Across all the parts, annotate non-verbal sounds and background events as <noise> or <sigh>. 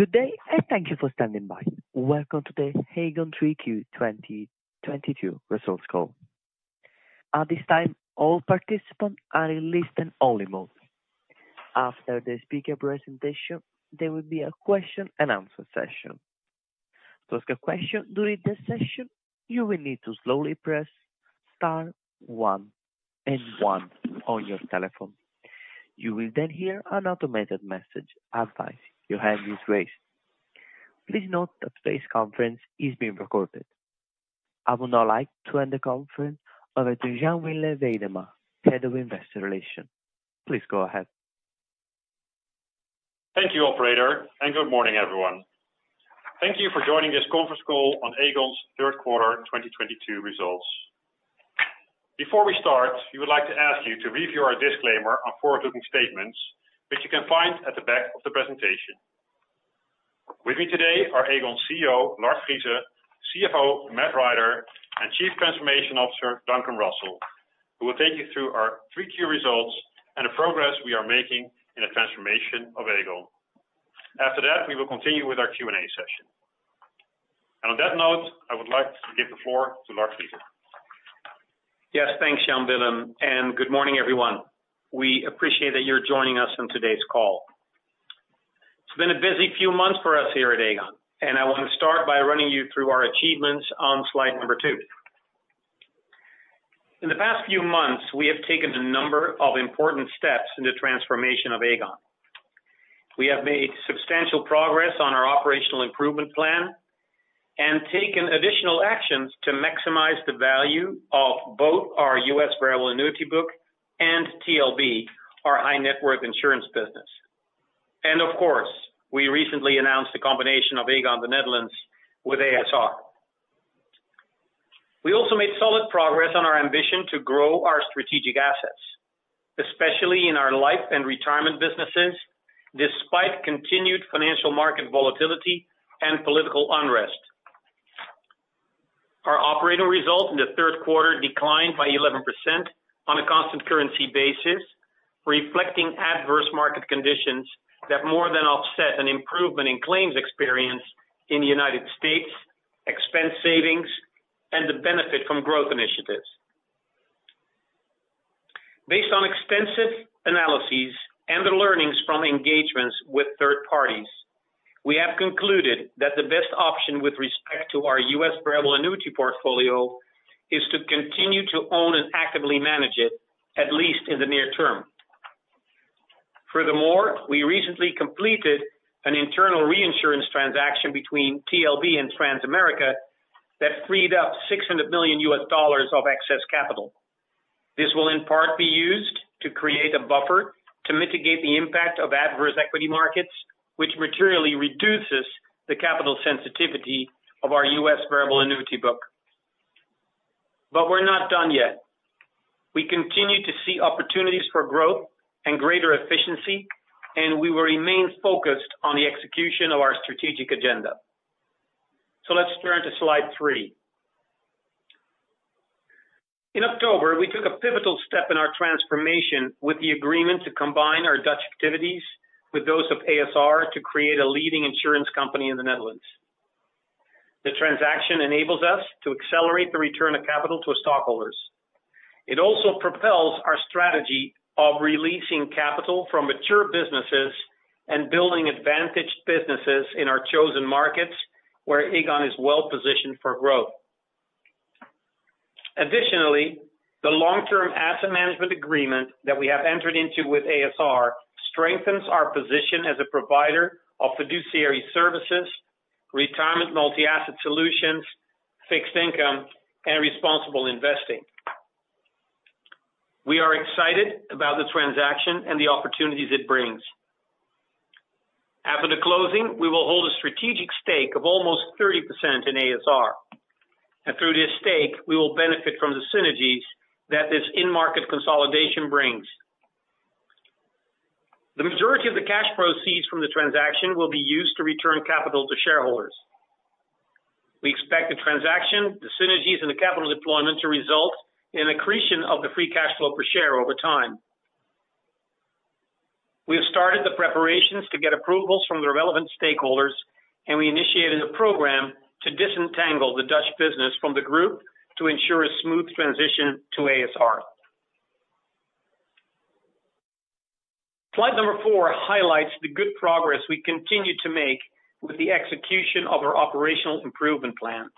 Good day, and thank you for standing by. Welcome to the Aegon 3Q 2022 results call. At this time, all participants are in listen only mode. After the speaker presentation, there will be a question-and-answer session. To ask a question during the session, you will need to slowly press star one and one on your telephone. You will then hear an automated message advising you your hand is raised. Please note that today's conference is being recorded. I would now like to hand the conference over to Jan Willem Weidema, Head of Investor Relations. Please go ahead. Thank you, operator, and good morning, everyone. Thank you for joining this conference call on Aegon's third quarter 2022 results. Before we start, we would like to ask you to review our disclaimer on forward-looking statements, which you can find at the back of the presentation. With me today are Aegon CEO, Lard Friese, CFO, Matt Rider, and Chief Transformation Officer, Duncan Russell, who will take you through our third quarter results and the progress we are making in the transformation of Aegon. After that, we will continue with our Q&A session. On that note, I would like to give the floor to Lard Friese. Yes. Thanks, Jan Willem, and good morning, everyone. We appreciate that you're joining us on today's call. It's been a busy few months for us here at Aegon, and I wanna start by running you through our achievements on slide number two. In the past few months, we have taken a number of important steps in the transformation of Aegon. We have made substantial progress on our operational improvement plan and taken additional actions to maximize the value of both our U.S. variable annuity book and TLB, our high net worth insurance business. Of course, we recently announced the combination of Aegon Netherlands with a.s.r.. We also made solid progress on our ambition to grow our strategic assets, especially in our life and retirement businesses, despite continued financial market volatility and political unrest. Our operating results in the third quarter declined by 11% on a constant currency basis, reflecting adverse market conditions that more than offset an improvement in claims experience in the United States, expense savings, and the benefit from growth initiatives. Based on extensive analyses and the learnings from engagements with third parties, we have concluded that the best option with respect to our U.S. variable annuity portfolio is to continue to own and actively manage it, at least in the near term. Furthermore, we recently completed an internal reinsurance transaction between TLB and Transamerica that freed up $600 million of excess capital. This will in part be used to create a buffer to mitigate the impact of adverse equity markets, which materially reduces the capital sensitivity of our U.S. variable annuity book. We're not done yet. We continue to see opportunities for growth and greater efficiency, and we will remain focused on the execution of our strategic agenda. Let's turn to slide three. In October, we took a pivotal step in our transformation with the agreement to combine our Dutch activities with those of a.s.r. to create a leading insurance company in the Netherlands. The transaction enables us to accelerate the return of capital to stockholders. It also propels our strategy of releasing capital from mature businesses and building advantaged businesses in our chosen markets, where Aegon is well-positioned for growth. Additionally, the long-term asset management agreement that we have entered into with a.s.r. strengthens our position as a provider of fiduciary services, retirement multi-asset solutions, fixed income, and responsible investing. We are excited about the transaction and the opportunities it brings. After the closing, we will hold a strategic stake of almost 30% in a.s.r. Through this stake, we will benefit from the synergies that this in-market consolidation brings. The majority of the cash proceeds from the transaction will be used to return capital to shareholders. We expect the transaction, the synergies, and the capital deployment to result in accretion of the free cash flow per share over time. We have started the preparations to get approvals from the relevant stakeholders, and we initiated a program to disentangle the Dutch business from the group to ensure a smooth transition to a.s.r.. Slide number 4 highlights the good progress we continue to make with the execution of our operational improvement plan.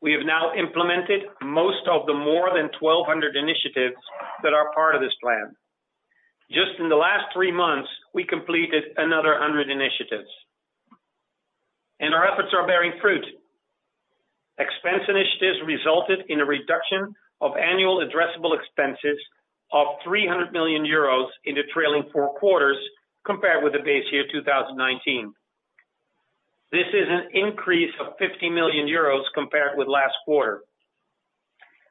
We have now implemented most of the more than 1,200 initiatives that are part of this plan. Just in the last three months, we completed another 100 initiatives. Our efforts are bearing fruit. Expense initiatives resulted in a reduction of annual addressable expenses of 300 million euros in the trailing four quarters compared with the base year 2019. This is an increase of 50 million euros compared with last quarter.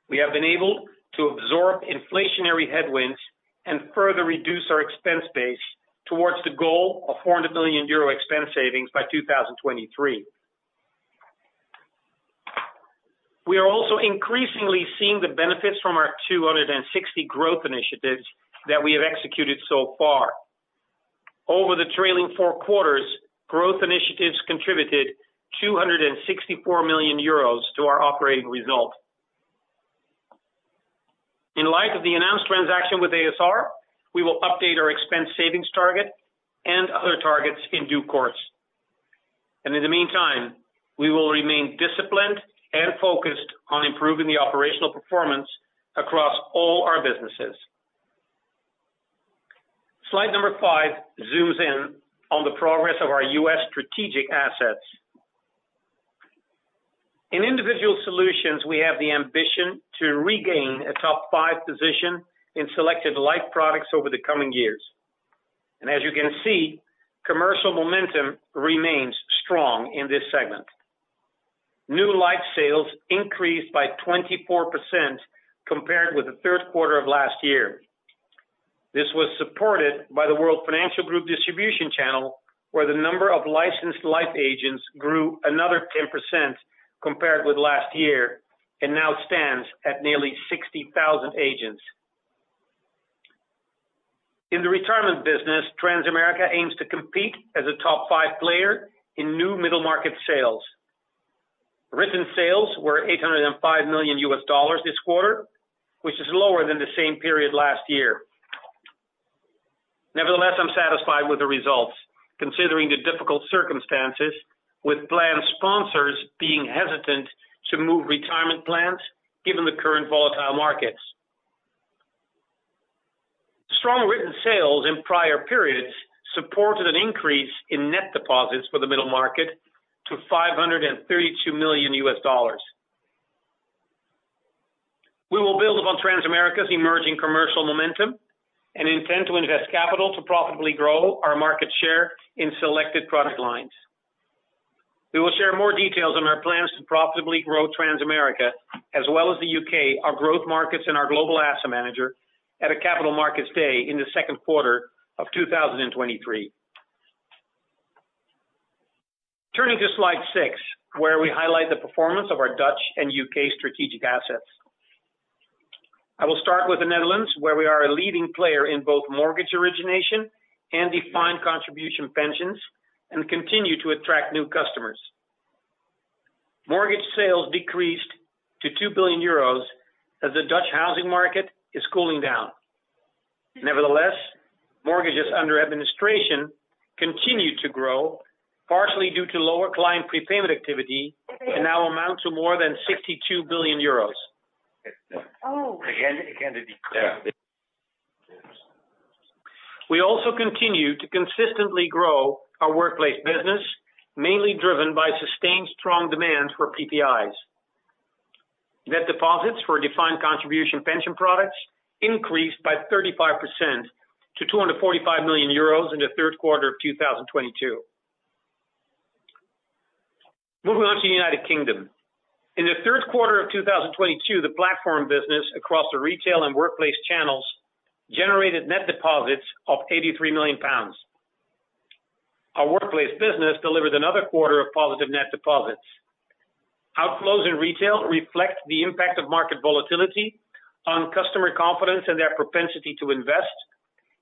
We have been able to absorb inflationary headwinds and further reduce our expense base towards the goal of 400 million euro expense savings by 2023. We are also increasingly seeing the benefits from our 260 growth initiatives that we have executed so far. Over the trailing four quarters, growth initiatives contributed 264 million euros to our operating result. In light of the announced transaction with a.s.r., we will update our expense savings target and other targets in due course. In the meantime, we will remain disciplined and focused on improving the operational performance across all our businesses. Slide number five zooms in on the progress of our U.S. strategic assets. In Individual Solutions, we have the ambition to regain a top five position in selected life products over the coming years. As you can see, commercial momentum remains strong in this segment. New life sales increased by 24% compared with the third quarter of last year. This was supported by the World Financial Group distribution channel, where the number of licensed life agents grew another 10% compared with last year, and now stands at nearly 60,000 agents. In the retirement business, Transamerica aims to compete as a top five player in new middle market sales. Written sales were $805 million this quarter, which is lower than the same period last year. Nevertheless, I'm satisfied with the results, considering the difficult circumstances, with plan sponsors being hesitant to move retirement plans given the current volatile markets. Strong written sales in prior periods supported an increase in net deposits for the middle market to $532 million. We will build upon Transamerica's emerging commercial momentum and intend to invest capital to profitably grow our market share in selected product lines. We will share more details on our plans to profitably grow Transamerica as well as the UK, our growth markets, and our global asset manager at a Capital Markets Day in the second quarter of 2023. Turning to slide 6, where we highlight the performance of our Dutch and UK strategic assets. I will start with the Netherlands, where we are a leading player in both mortgage origination and defined contribution pensions and continue to attract new customers. Mortgage sales decreased to 2 billion euros as the Dutch housing market is cooling down. Nevertheless, mortgages under administration continued to grow, partially due to lower client prepayment activity, and now amount to more than 62 billion euros. We also continue to consistently grow our workplace business, mainly driven by sustained strong demand for PPIs. Net deposits for defined contribution pension products increased by 35% to 245 million euros in the third quarter of 2022. Moving on to the United Kingdom. In the third quarter of 2022, the platform business across the retail and workplace channels generated net deposits of 83 million pounds. Our workplace business delivered another quarter of positive net deposits. Outflows in retail reflect the impact of market volatility on customer confidence and their propensity to invest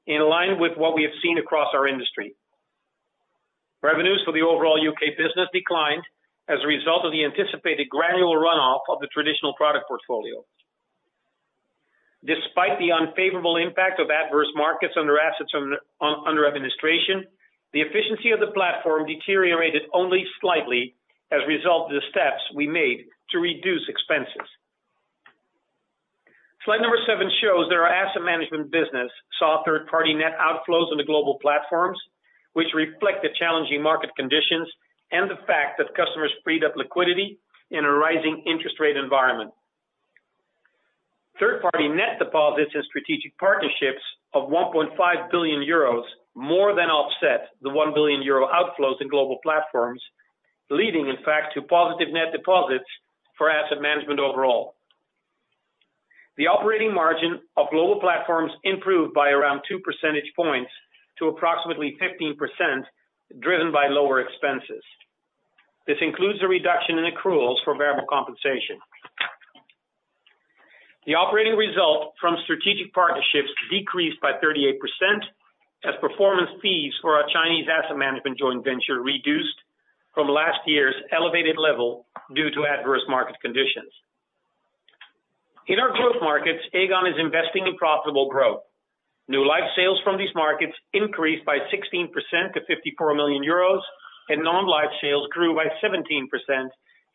in line with what we have seen across our industry. Revenues for the overall UK business declined as a result of the anticipated gradual run-off of the traditional product portfolio. Despite the unfavorable impact of adverse markets under assets under administration, the efficiency of the platform deteriorated only slightly as a result of the steps we made to reduce expenses. Slide 7 shows that our asset management business saw third-party net outflows on the global platforms, which reflect the challenging market conditions and the fact that customers freed up liquidity in a rising interest rate environment. Third-party net deposits and strategic partnerships of 1.5 billion euros more than offset the 1 billion euro outflows in global platforms, leading in fact to positive net deposits for asset management overall. The operating margin of global platforms improved by around 2 percentage points to approximately 15%, driven by lower expenses. This includes a reduction in accruals for variable compensation. The operating result from strategic partnerships decreased by 38% as performance fees for our Chinese asset management joint venture reduced from last year's elevated level due to adverse market conditions. In our growth markets, Aegon is investing in profitable growth. New life sales from these markets increased by 16% to 54 million euros, and non-life sales grew by 17%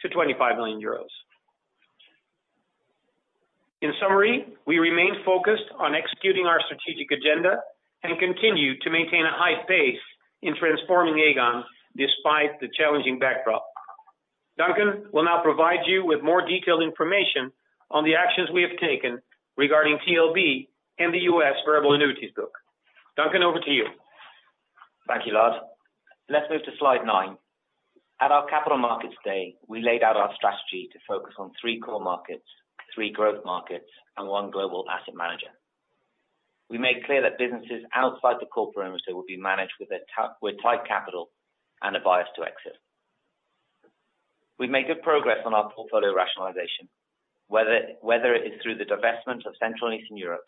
to 25 million euros. In summary, we remain focused on executing our strategic agenda and continue to maintain a high pace in transforming Aegon despite the challenging backdrop. Duncan will now provide you with more detailed information on the actions we have taken regarding TLB and the U.S. variable annuities book. Duncan, over to you. Thank you, Lard. Let's move to slide nine. At our Capital Markets Day, we laid out our strategy to focus on three core markets, three growth markets, and one global asset manager. We made clear that businesses outside the core perimeter will be managed with tight capital and a bias to exit. We've made good progress on our portfolio rationalization, whether it is through the divestment of Central and Eastern Europe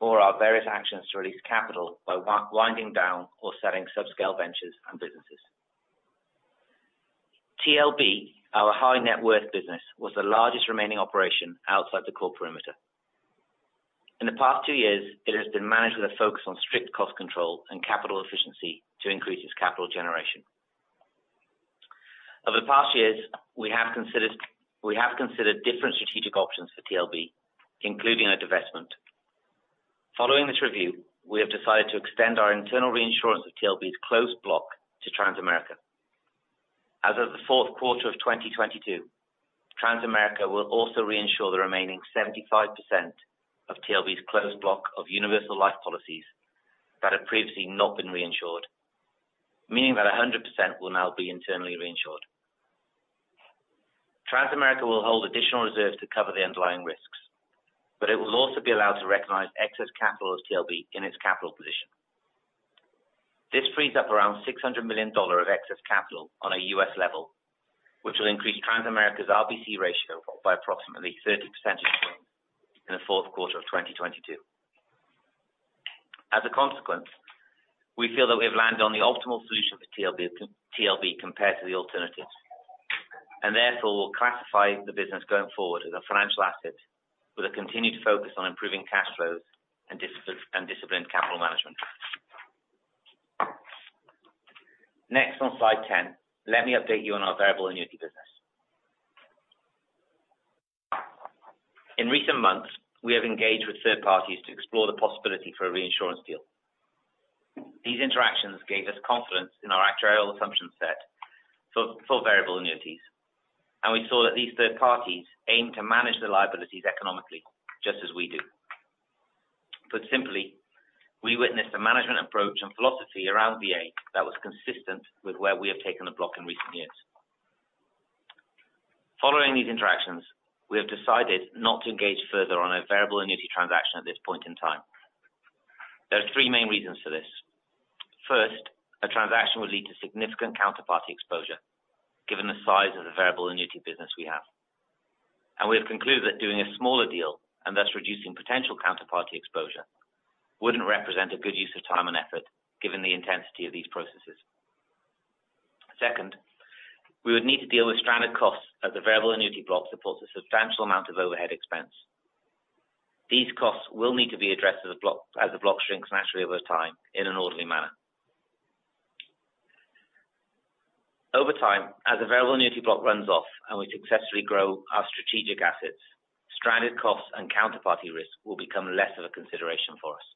or our various actions to release capital by winding down or selling subscale ventures and businesses. TLB, our high net worth business, was the largest remaining operation outside the core perimeter. In the past two years, it has been managed with a focus on strict cost control and capital efficiency to increase its capital generation. Over the past years, we have considered different strategic options for TLB, including a divestment. Following this review, we have decided to extend our internal reinsurance of TLB's closed block to Transamerica. As of the fourth quarter of 2022, Transamerica will also reinsure the remaining 75% of TLB's closed block of universal life policies that have previously not been reinsured, meaning that 100% will now be internally reinsured. Transamerica will hold additional reserves to cover the underlying risks, but it will also be allowed to recognize excess capital of TLB in its capital position. This frees up around $600 million of excess capital on a U.S. level, which will increase Transamerica's RBC ratio by approximately 30 percentage points in the fourth quarter of 2022. As a consequence, we feel that we have landed on the optimal solution for TLB compared to the alternatives, and therefore will classify the business going forward as a financial asset with a continued focus on improving cash flows and disciplined capital management. Next, on slide 10, let me update you on our variable annuity business. In recent months, we have engaged with third parties to explore the possibility for a reinsurance deal. These interactions gave us confidence in our actuarial assumption set for variable annuities. We saw that these third parties aim to manage the liabilities economically, just as we do. Put simply, we witnessed a management approach and philosophy around VA that was consistent with where we have taken the block in recent years. Following these interactions, we have decided not to engage further on a variable annuity transaction at this point in time. There are three main reasons for this. First, a transaction would lead to significant counterparty exposure given the size of the variable annuity business we have. We have concluded that doing a smaller deal and thus reducing potential counterparty exposure wouldn't represent a good use of time and effort given the intensity of these processes. Second, we would need to deal with stranded costs as the variable annuity block supports a substantial amount of overhead expense. These costs will need to be addressed as the block shrinks naturally over time in an orderly manner. Over time, as the variable annuity block runs-off and we successfully grow our strategic assets, stranded costs and counterparty risk will become less of a consideration for us.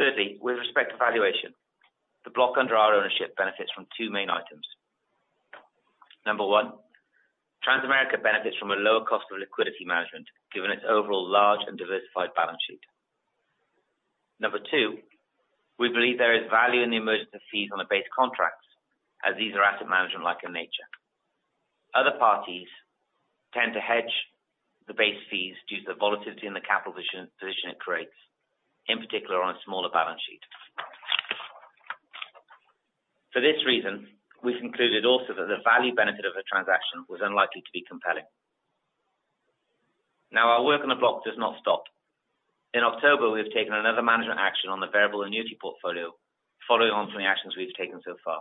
Thirdly, with respect to valuation, the block under our ownership benefits from two main items. Number one, Transamerica benefits from a lower cost of liquidity management given its overall large and diversified balance sheet. Number two, we believe there is value in the emergence of fees on the base contracts as these are asset management like in nature. Other parties tend to hedge the base fees due to the volatility in the capital position it creates, in particular on a smaller balance sheet. For this reason, we've concluded also that the value benefit of a transaction was unlikely to be compelling. Now our work on the block does not stop. In October, we have taken another management action on the variable annuity portfolio following on from the actions we've taken so far.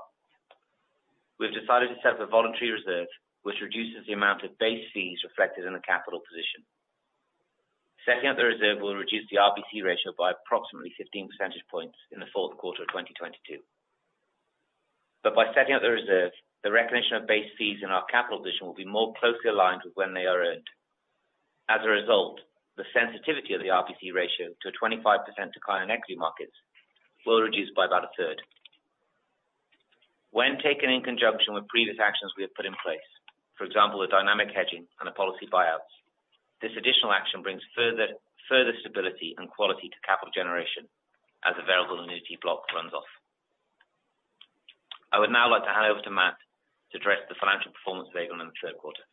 We've decided to set up a voluntary reserve, which reduces the amount of base fees reflected in the capital position. Setting up the reserve will reduce the RBC ratio by approximately 15 percentage points in the fourth quarter of 2022. By setting up the reserve, the recognition of base fees in our capital position will be more closely aligned with when they are earned. As a result, the sensitivity of the RBC ratio to a 25% decline in equity markets will reduce by about a third. When taken in conjunction with previous actions we have put in place, for example, the dynamic hedging and the policy buyouts, this additional action brings further stability and quality to capital generation as the variable annuity block runs off. I would now like to hand over to Matt to address the financial performance of Aegon in the third quarter.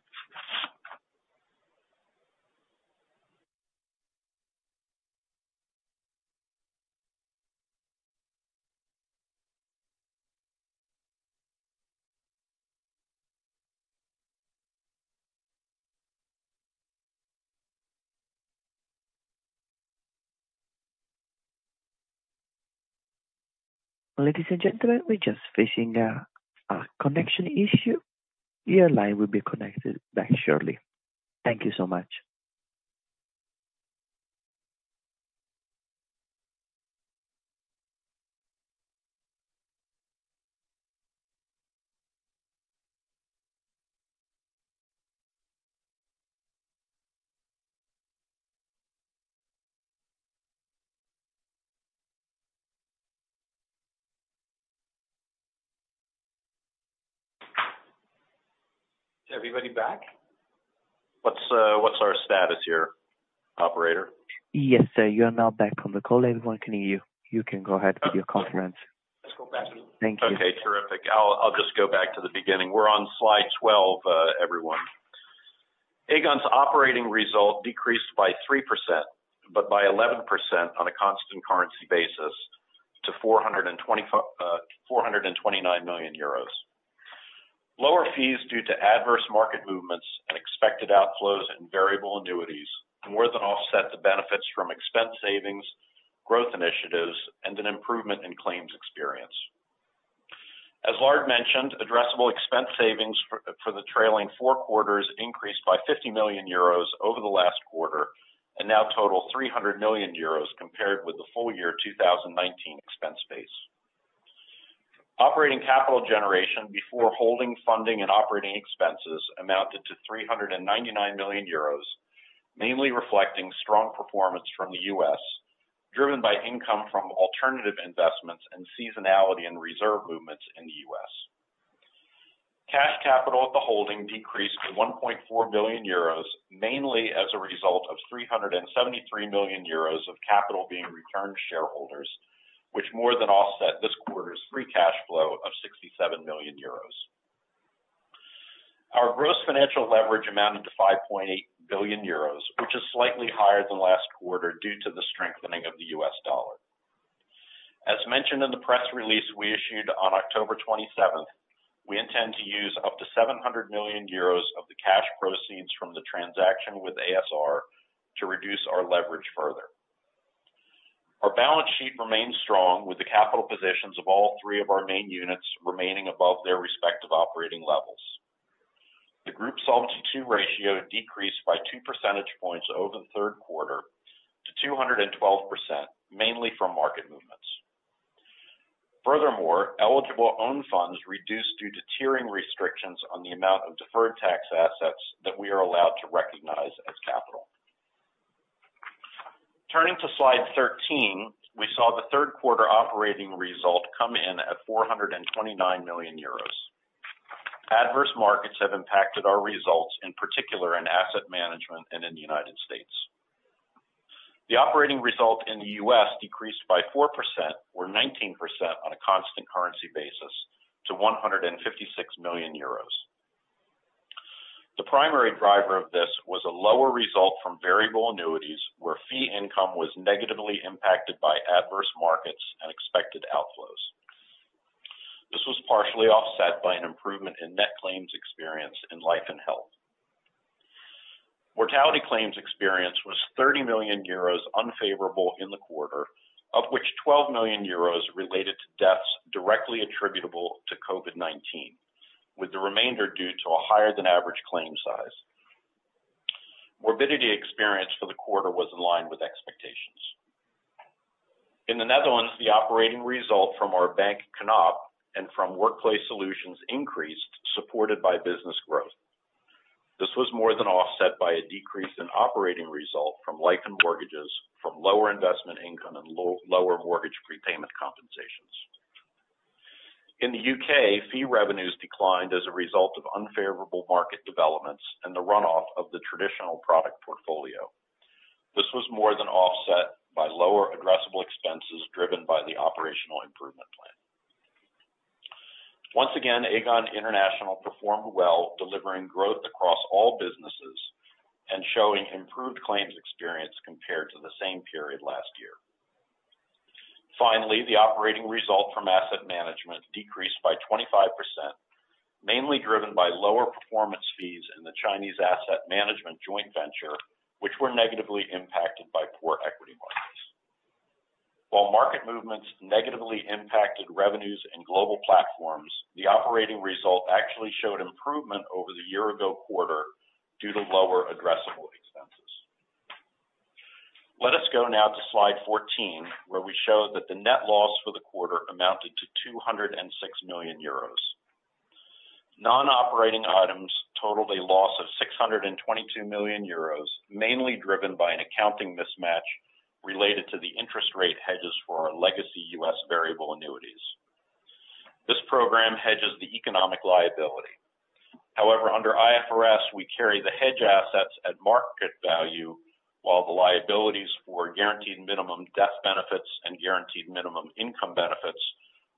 Ladies and gentlemen, we're just facing a connection issue. Your line will be connected back shortly. Thank you so much. Is everybody back? What's our status here, operator? Yes, sir. You are now back on the call. Everyone can hear you. You can go ahead with your comments. Okay, terrific. I'll just go back to the beginning. We're on slide 12, everyone. Aegon's operating result decreased by 3%, but by 11% on a constant currency basis to 429 million euros. Lower fees due to adverse market movements and expected outflows in variable annuities more than offset the benefits from expense savings, growth initiatives, and an improvement in claims experience. As Lard mentioned, addressable expense savings for the trailing four quarters increased by 50 million euros over the last quarter, and now total 300 million euros compared with the full year 2019 expense base. Operating capital generation before holding funding and operating expenses amounted to 399 million euros, mainly reflecting strong performance from the U.S., driven by income from alternative investments and seasonality and reserve movements in the U.S. Cash capital at the holding decreased to 1.4 billion euros, mainly as a result of 373 million euros of capital being returned to shareholders, which more than offset this quarter's free cash flow of 67 million euros. Our gross financial leverage amounted to 5.8 billion euros, which is slightly higher than last quarter due to the strengthening of the US dollar. As mentioned in the press release we issued on October twenty-seventh, we intend to use up to 700 million euros of the cash proceeds from the transaction with a.s.r. to reduce our leverage further. Our balance sheet remains strong with the capital positions of all three of our main units remaining above their respective operating levels. The group Solvency II ratio decreased by 2 percentage points over the third quarter to 212%, mainly from market movements. Furthermore, eligible own funds reduced due to tiering restrictions on the amount of deferred tax assets that we are allowed to recognize as capital. Turning to slide 13, we saw the third quarter operating result come in at 429 million euros. Adverse markets have impacted our results, in particular in asset management and in the United States. The operating result in the US decreased by 4% or 19% on a constant currency basis to 156 million euros. The primary driver of this was a lower result from variable annuities, where fee income was negatively impacted by adverse markets and expected outflows. This was partially offset by an improvement in net claims experience in life and health. Mortality claims experience was 30 million euros unfavorable in the quarter, of which 12 million euros related to deaths directly attributable to COVID-19, with the remainder due to a higher than average claim size. Morbidity experience for the quarter was in line with expectations. In the Netherlands, the operating result from our bank, Knab, and from workplace solutions increased, supported by business growth. This was more than offset by a decrease in operating result from life and mortgages, from lower investment income and lower mortgage prepayment compensations. In the U.K., fee revenues declined as a result of unfavorable market developments and the run-off of the traditional product portfolio. This was more than offset by lower addressable expenses driven by the operational improvement plan. Once again, Aegon International performed well, delivering growth across all businesses and showing improved claims experience compared to the same period last year. Finally, the operating result from asset management decreased by 25%, mainly driven by lower performance fees in the Chinese asset management joint venture, which were negatively impacted by poor equity markets. While market movements negatively impacted revenues and global platforms, the operating result actually showed improvement over the year ago quarter due to lower addressable expenses. Let us go now to slide 14, where we show that the net loss for the quarter amounted to 206 million euros. Non-operating items totaled a loss of 622 million euros, mainly driven by an accounting mismatch related to the interest rate hedges for our legacy U.S. variable annuities. This program hedges the economic liability. However, under IFRS, we carry the hedge assets at market value, while the liabilities for guaranteed minimum death benefits and guaranteed minimum income benefits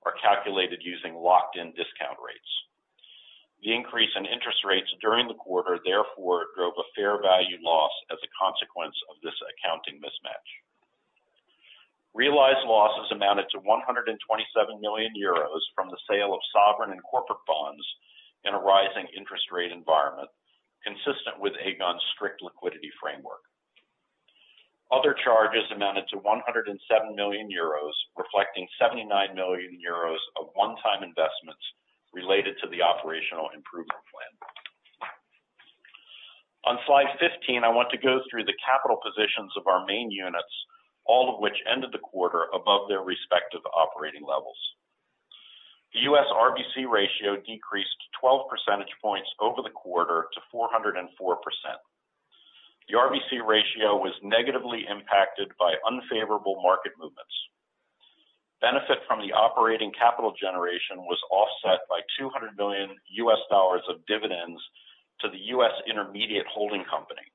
are calculated using locked in discount rates. The increase in interest rates during the quarter therefore drove a fair value loss as a consequence of this accounting mismatch. Realized losses amounted to 127 million euros from the sale of sovereign and corporate bonds in a rising interest rate environment, consistent with Aegon's strict liquidity framework. Other charges amounted to 107 million euros, reflecting 79 million euros of one-time investments related to the operational improvement plan. On slide 15, I want to go through the capital positions of our main units, all of which ended the quarter above their respective operating levels. The US RBC ratio decreased 12 percentage points over the quarter to 404%. The RBC ratio was negatively impacted by unfavorable market movements. Benefit from the operating capital generation was offset by $200 million of dividends to the US intermediate holding company.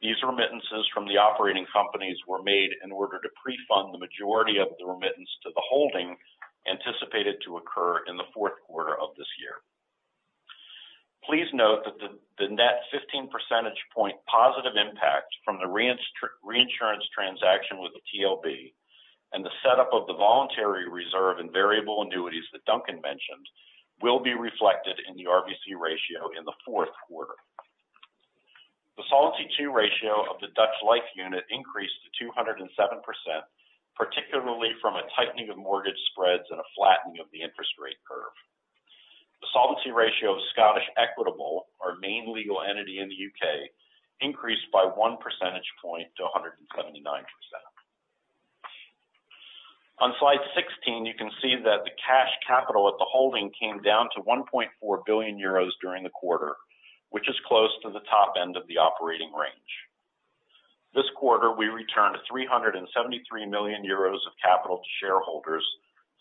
These remittances from the operating companies were made in order to pre-fund the majority of the remittance to the holding anticipated to occur in the fourth quarter of this year. Please note that the net 15 percentage point positive impact from the reinsurance transaction with the TLB and the setup of the voluntary reserve and variable annuities that Duncan mentioned will be reflected in the RBC ratio in the fourth quarter. The Solvency II ratio of the Dutch Life unit increased to 207%, particularly from a tightening of mortgage spreads and a flattening of the interest rate curve. The solvency ratio of Scottish Equitable, our main legal entity in the UK, increased by 1 percentage point to 179%. On slide 16, you can see that the cash capital at the holding came down to 1.4 billion euros during the quarter, which is close to the top end of the operating range. This quarter, we returned 373 million euros of capital to shareholders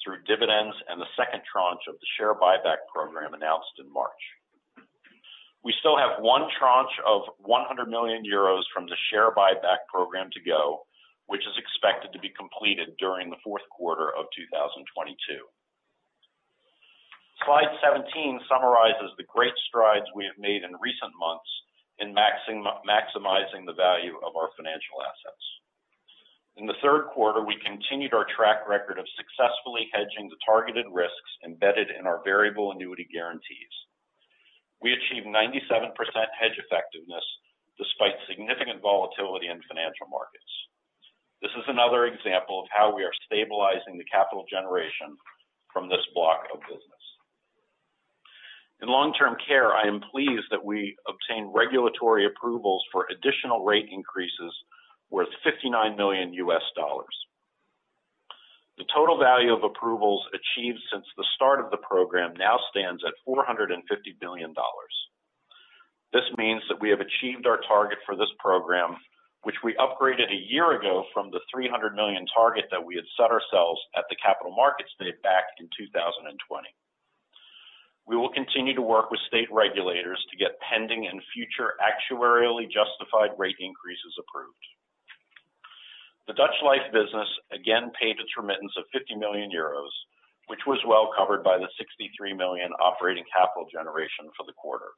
through dividends and the second tranche of the share buyback program announced in March. We still have one tranche of 100 million euros from the share buyback program to go, which is expected to be completed during the fourth quarter of 2022. Slide 17 summarizes the great strides we have made in recent months in maximizing the value of our financial assets. In the third quarter, we continued our track record of successfully hedging the targeted risks embedded in our variable annuity guarantees. We achieved 97% hedge effectiveness despite significant volatility in financial markets. This is another example of how we are stabilizing the capital generation from this block of business. In long-term care, I am pleased that we obtained regulatory approvals for additional rate increases worth $59 million. The total value of approvals achieved since the start of the program now stands at $450 million. This means that we have achieved our target for this program, which we upgraded a year ago from the $300 million target that we had set ourselves at the Capital Markets Day back in 2020. We will continue to work with state regulators to get pending and future actuarially justified rate increases approved. The Dutch Life business again paid its remittance of 50 million euros, which was well covered by the 63 million operating capital generation for the quarter.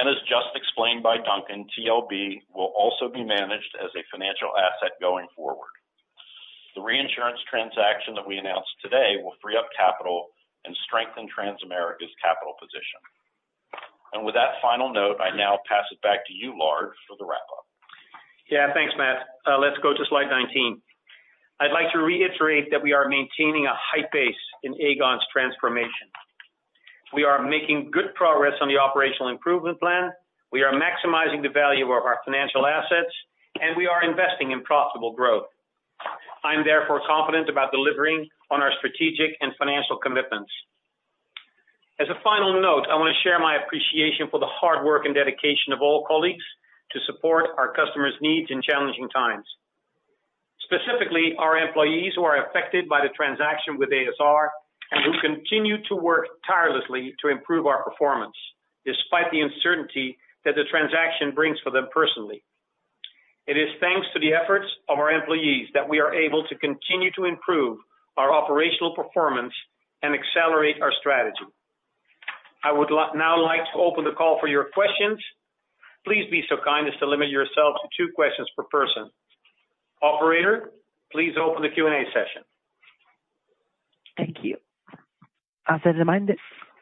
As just explained by Duncan, TLB will also be managed as a financial asset going forward. The reinsurance transaction that we announced today will free up capital and strengthen Transamerica's capital position. With that final note, I now pass it back to you, Lard, for the wrap-up. Yeah, thanks, Matt. Let's go to slide 19. I'd like to reiterate that we are maintaining a high pace in Aegon's transformation. We are making good progress on the operational improvement plan. We are maximizing the value of our financial assets, and we are investing in profitable growth. I'm therefore confident about delivering on our strategic and financial commitments. As a final note, I want to share my appreciation for the hard work and dedication of all colleagues to support our customers' needs in challenging times. Specifically, our employees who are affected by the transaction with a.s.r. And who continue to work tirelessly to improve our performance despite the uncertainty that the transaction brings for them personally. It is thanks to the efforts of our employees that we are able to continue to improve our operational performance and accelerate our strategy. I would now like to open the call for your questions. Please be so kind as to limit yourself to two questions per person. Operator, please open the Q&A session. Thank you. As a reminder,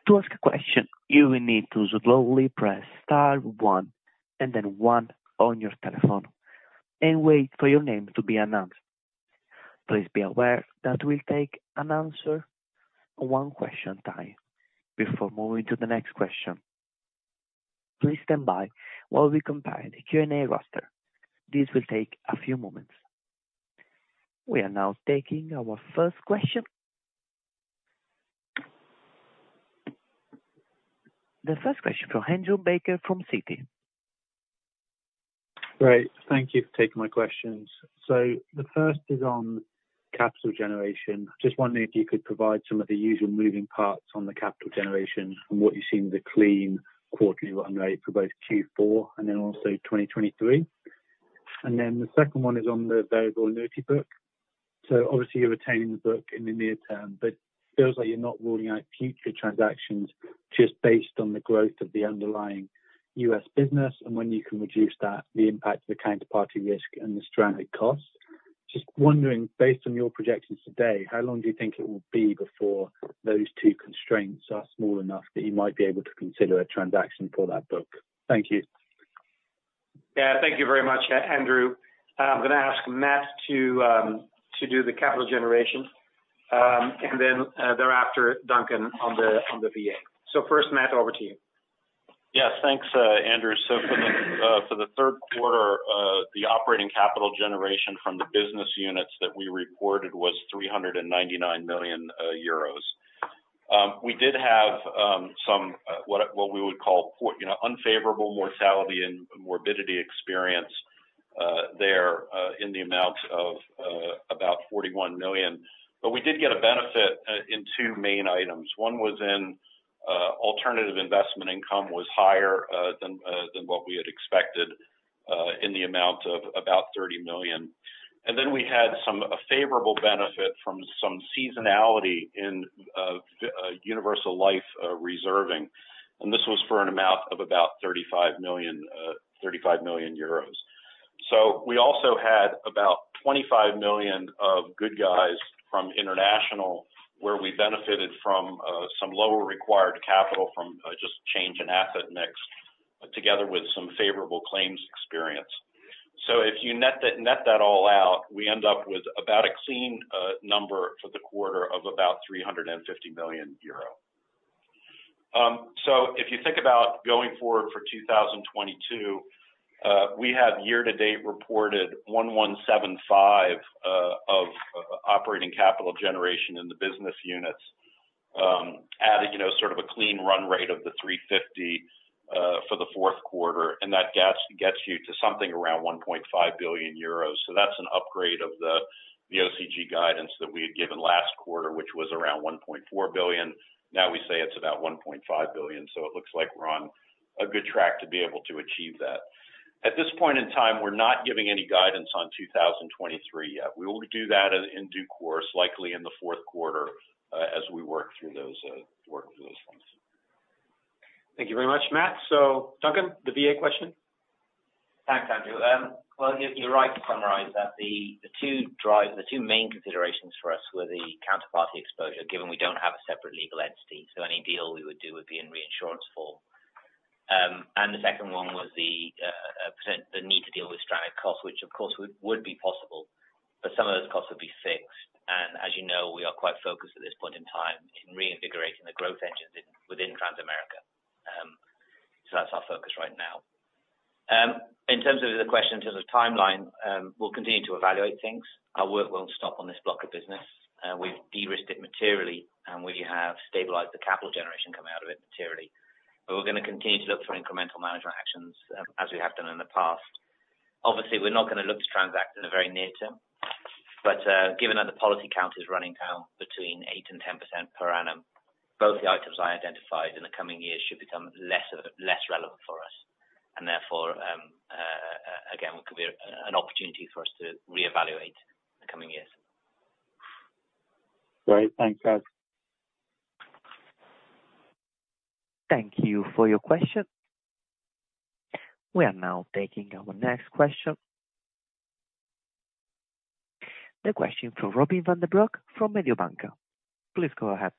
to ask a question, you will need to slowly press star one and then one on your telephone and wait for your name to be announced. Please be aware that we'll take and answer one question at a time before moving to the next question. Please stand by while we compile the Q&A roster. This will take a few moments. We are now taking our first question. The first question from Andrew Baker from Citi. Great. Thank you for taking my questions. The first is on capital generation. Just wondering if you could provide some of the usual moving parts on the capital generation and what you see in the clean quarterly run rate for both Q4 and then also 2023. The second one is on the variable annuity book. Obviously you're retaining the book in the near term, but it feels like you're not ruling out future transactions just based on the growth of the underlying US business and when you can reduce that, the impact of the counterparty risk and the stranded costs. Just wondering, based on your projections today, how long do you think it will be before those two constraints are small enough that you might be able to consider a transaction for that book? Thank you. Yeah. Thank you very much, Andrew. I'm gonna ask Matt to do the capital generation, and then thereafter, Duncan on the VA. First, Matt, over to you. Yes. Thanks, Andrew. For the third quarter, the operating capital generation from the business units that we reported was 399 million euros. We did have some what we would call poor, you know, unfavorable mortality and morbidity experience there in the amount of about 41 million. We did get a benefit in two main items. One was in alternative investment income was higher than what we had expected in the amount of about 30 million. Then we had a favorable benefit from some seasonality in universal life reserving. This was for an amount of about 35 million. We also had about 25 million of goodwill from international, where we benefited from some lower required capital from just change in asset mix together with some favorable claims experience. If you net that all out, we end up with about a clean number for the quarter of about 350 million euro. If you think about going forward for 2022, we have year to date reported 1,175 of operating capital generation in the business units, added, you know, sort of a clean run rate of the 350 for the fourth quarter, and that gets you to something around 1.5 billion euros. That's an upgrade of the OCG guidance that we had given last quarter, which was around 1.4 billion. Now we say it's about 1.5 billion, so it looks like we're on a good track to be able to achieve that. At this point in time, we're not giving any guidance on 2023 yet. We will do that in due course, likely in the fourth quarter, as we work through those ones. Thank you very much, Matt. Duncan, the VA question. Thanks, Andrew. Well, you're right to summarize that the two main considerations for us were the counterparty exposure, given we don't have a separate legal entity, so any deal we would do would be in reinsurance form. The second one was the need to deal with stranded costs, which of course would be possible, but some of those costs would be fixed. As you know, we are quite focused at this point in time in reinvigorating the growth engines within Transamerica. That's our focus right now. In terms of the question, in terms of timeline, we'll continue to evaluate things. Our work won't stop on this block of business. We've de-risked it materially, and we have stabilized the capital generation coming out of it materially. We're gonna continue to look for incremental management actions as we have done in the past. Obviously, we're not gonna look to transact in the very near term. Given that the policy count is running now between 8% and 10% per annum, both the items I identified in the coming years should become less relevant for us. Therefore, again, could be an opportunity for us to reevaluate in the coming years. Great. Thanks, guys. Thank you for your question. We are now taking our next question. The question from Robin van den Broek from Mediobanca. Please go ahead.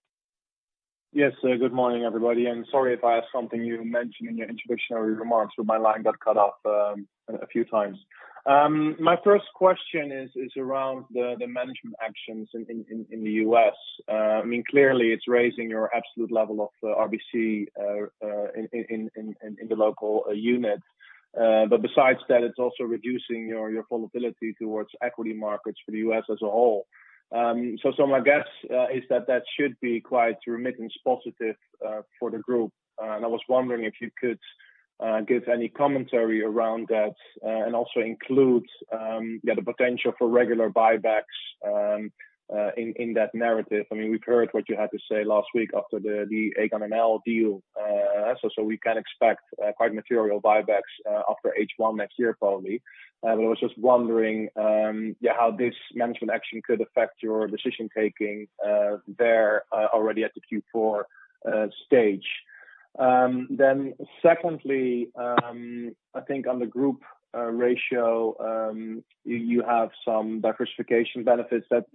Yes, good morning, everybody, and sorry if I missed something you mentioned in your introductory remarks, but my line got cut off a few times. My first question is around the management actions in the U.S. I mean, clearly it's raising your absolute level of RBC in the local unit. Besides that, it's also reducing your volatility towards equity markets for the U.S. as a whole. My guess is that should be quite remittance positive for the group. I was wondering if you could give any commentary around that and also include yeah the potential for regular buybacks in that narrative. I mean, we've heard what you had to say last week after the Aegon and a.s.r. deal. So we can expect quite material buybacks after H1 next year, probably. But I was just wondering how this management action could affect your decision-making there already at the Q4 stage. Then secondly, I think on the group ratio, you have some diversification benefits that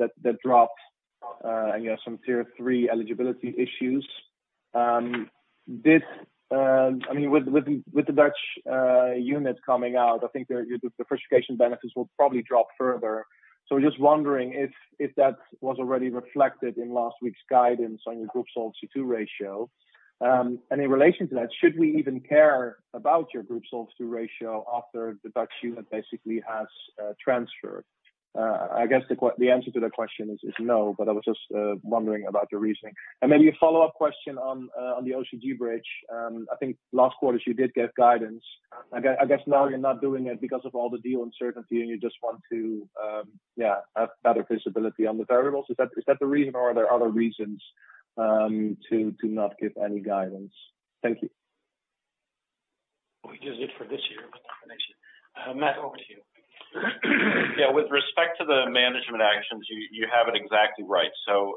dropped, and you have some Tier 3 eligibility issues. I mean, with the Dutch unit coming out, I think the diversification benefits will probably drop further. I'm just wondering if that was already reflected in last week's guidance on your group Solvency II ratio. In relation to that, should we even care about your group solvency ratio after the Dutch unit basically has transferred? I guess the answer to that question is no, but I was just wondering about your reasoning. A follow-up question on the OCG bridge. I think last quarter you did give guidance. I guess now you're not doing it because of all the deal uncertainty, and you just want to have better visibility on the variables. Is that the reason, or are there other reasons to not give any guidance? Thank you. We did it for this year, but not next year. Matt, over to you. Yeah. With respect to the management actions, you have it exactly right. So,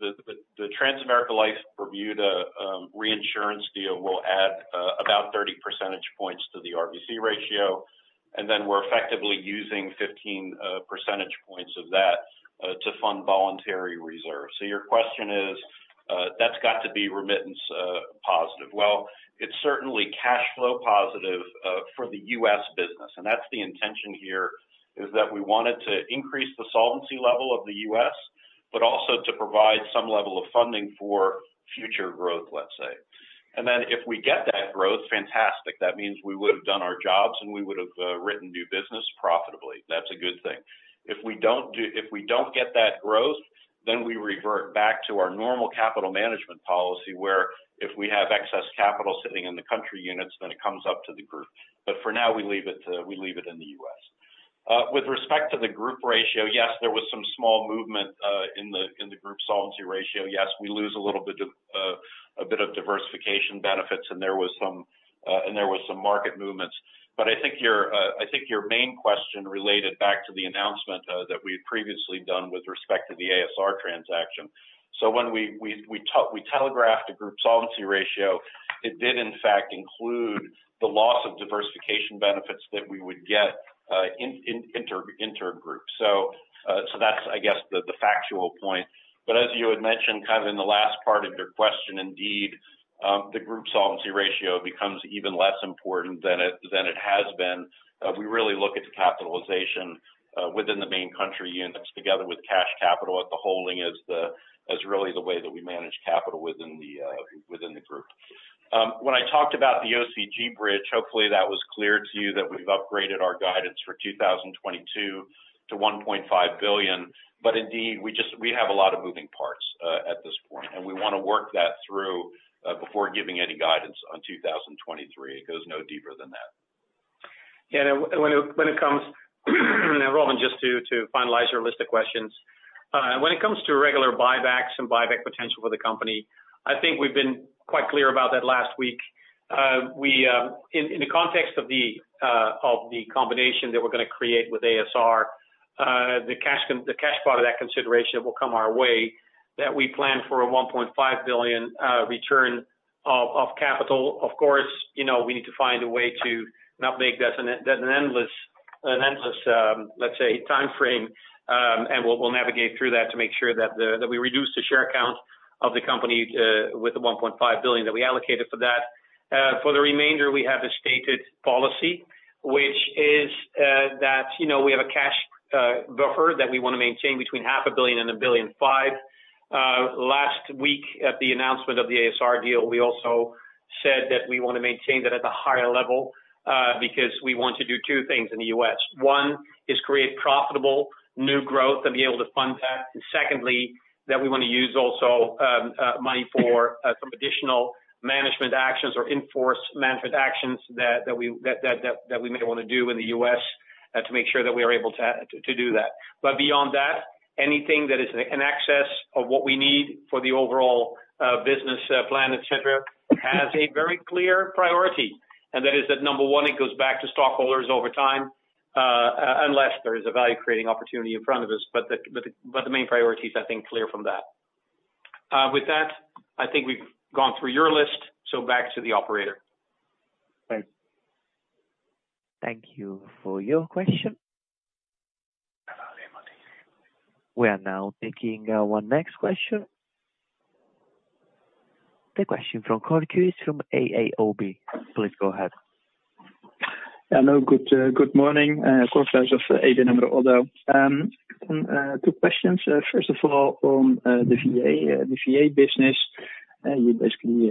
the Transamerica Life Bermuda reinsurance deal will add about 30 percentage points to the RBC ratio, and then we're effectively using 15 percentage points of that to fund voluntary reserves. So your question is, that's got to be remittance positive. Well, it's certainly cash flow positive for the U.S. business, and that's the intention here, is that we wanted to increase the solvency level of the U.S., but also to provide some level of funding for future growth, let's say. If we get that growth, fantastic. That means we would have done our jobs, and we would have written new business profitably. That's a good thing. If we don't get that growth, then we revert back to our normal capital management policy, where if we have excess capital sitting in the country units, then it comes up to the group. For now, we leave it in the U.S. With respect to the group ratio, yes, there was some small movement in the group solvency ratio. Yes, we lose a little bit of diversification benefits, and there was some market movements. I think your main question related back to the announcement that we had previously done with respect to the a.s.r. Transaction. When we telegraphed a group solvency ratio, it did in fact include the loss of diversification benefits that we would get in intergroup. That's I guess the factual point. As you had mentioned kind of in the last part of your question, indeed, the group solvency ratio becomes even less important than it has been. We really look at the capitalization within the main country units together with cash capital at the holding is really the way that we manage capital within the group. When I talked about the OCG bridge, hopefully that was clear to you that we've upgraded our guidance for 2022 to 1.5 billion. Indeed, we have a lot of moving parts at this point, and we wanna work that through before giving any guidance on 2023. It goes no deeper than that. Yeah. When it comes, Robin van den Broek, just to finalize your list of questions. When it comes to regular buybacks and buyback potential for the company, I think we've been quite clear about that last week. In the context of the combination that we're gonna create with a.s.r., the cash part of that consideration will come our way, that we plan for a 1.5 billion return of capital. Of course, you know, we need to find a way to not make that an endless, let's say timeframe. We'll navigate through that to make sure that we reduce the share count of the company with the 1.5 billion that we allocated for that. For the remainder, we have the stated policy, which is that you know we have a cash buffer that we wanna maintain between half a billion EUR and 1.5 billion EUR. Last week at the announcement of the a.s.r. deal, we also said that we wanna maintain that at a higher level because we want to do two things in the U.S. One is create profitable new growth and be able to fund that. Secondly, that we wanna use also money for some additional management actions or in-force management actions that we may wanna do in the U.S. to make sure that we are able to do that. Beyond that, anything that is in excess of what we need for the overall business plan, et cetera, has a very clear priority. That is that number one, it goes back to stockholders over time, unless there is a value creating opportunity in front of us. But the main priority is, I think, clear from that. With that, I think we've gone through your list, so back to the operator. Thanks. Thank you for your question. We are now taking our next question. The question from Cor Kluis is from ABN AMRO. Please go ahead. Hello. Good morning. Cor of ABN AMRO. Two questions. First of all, on the VA business. You basically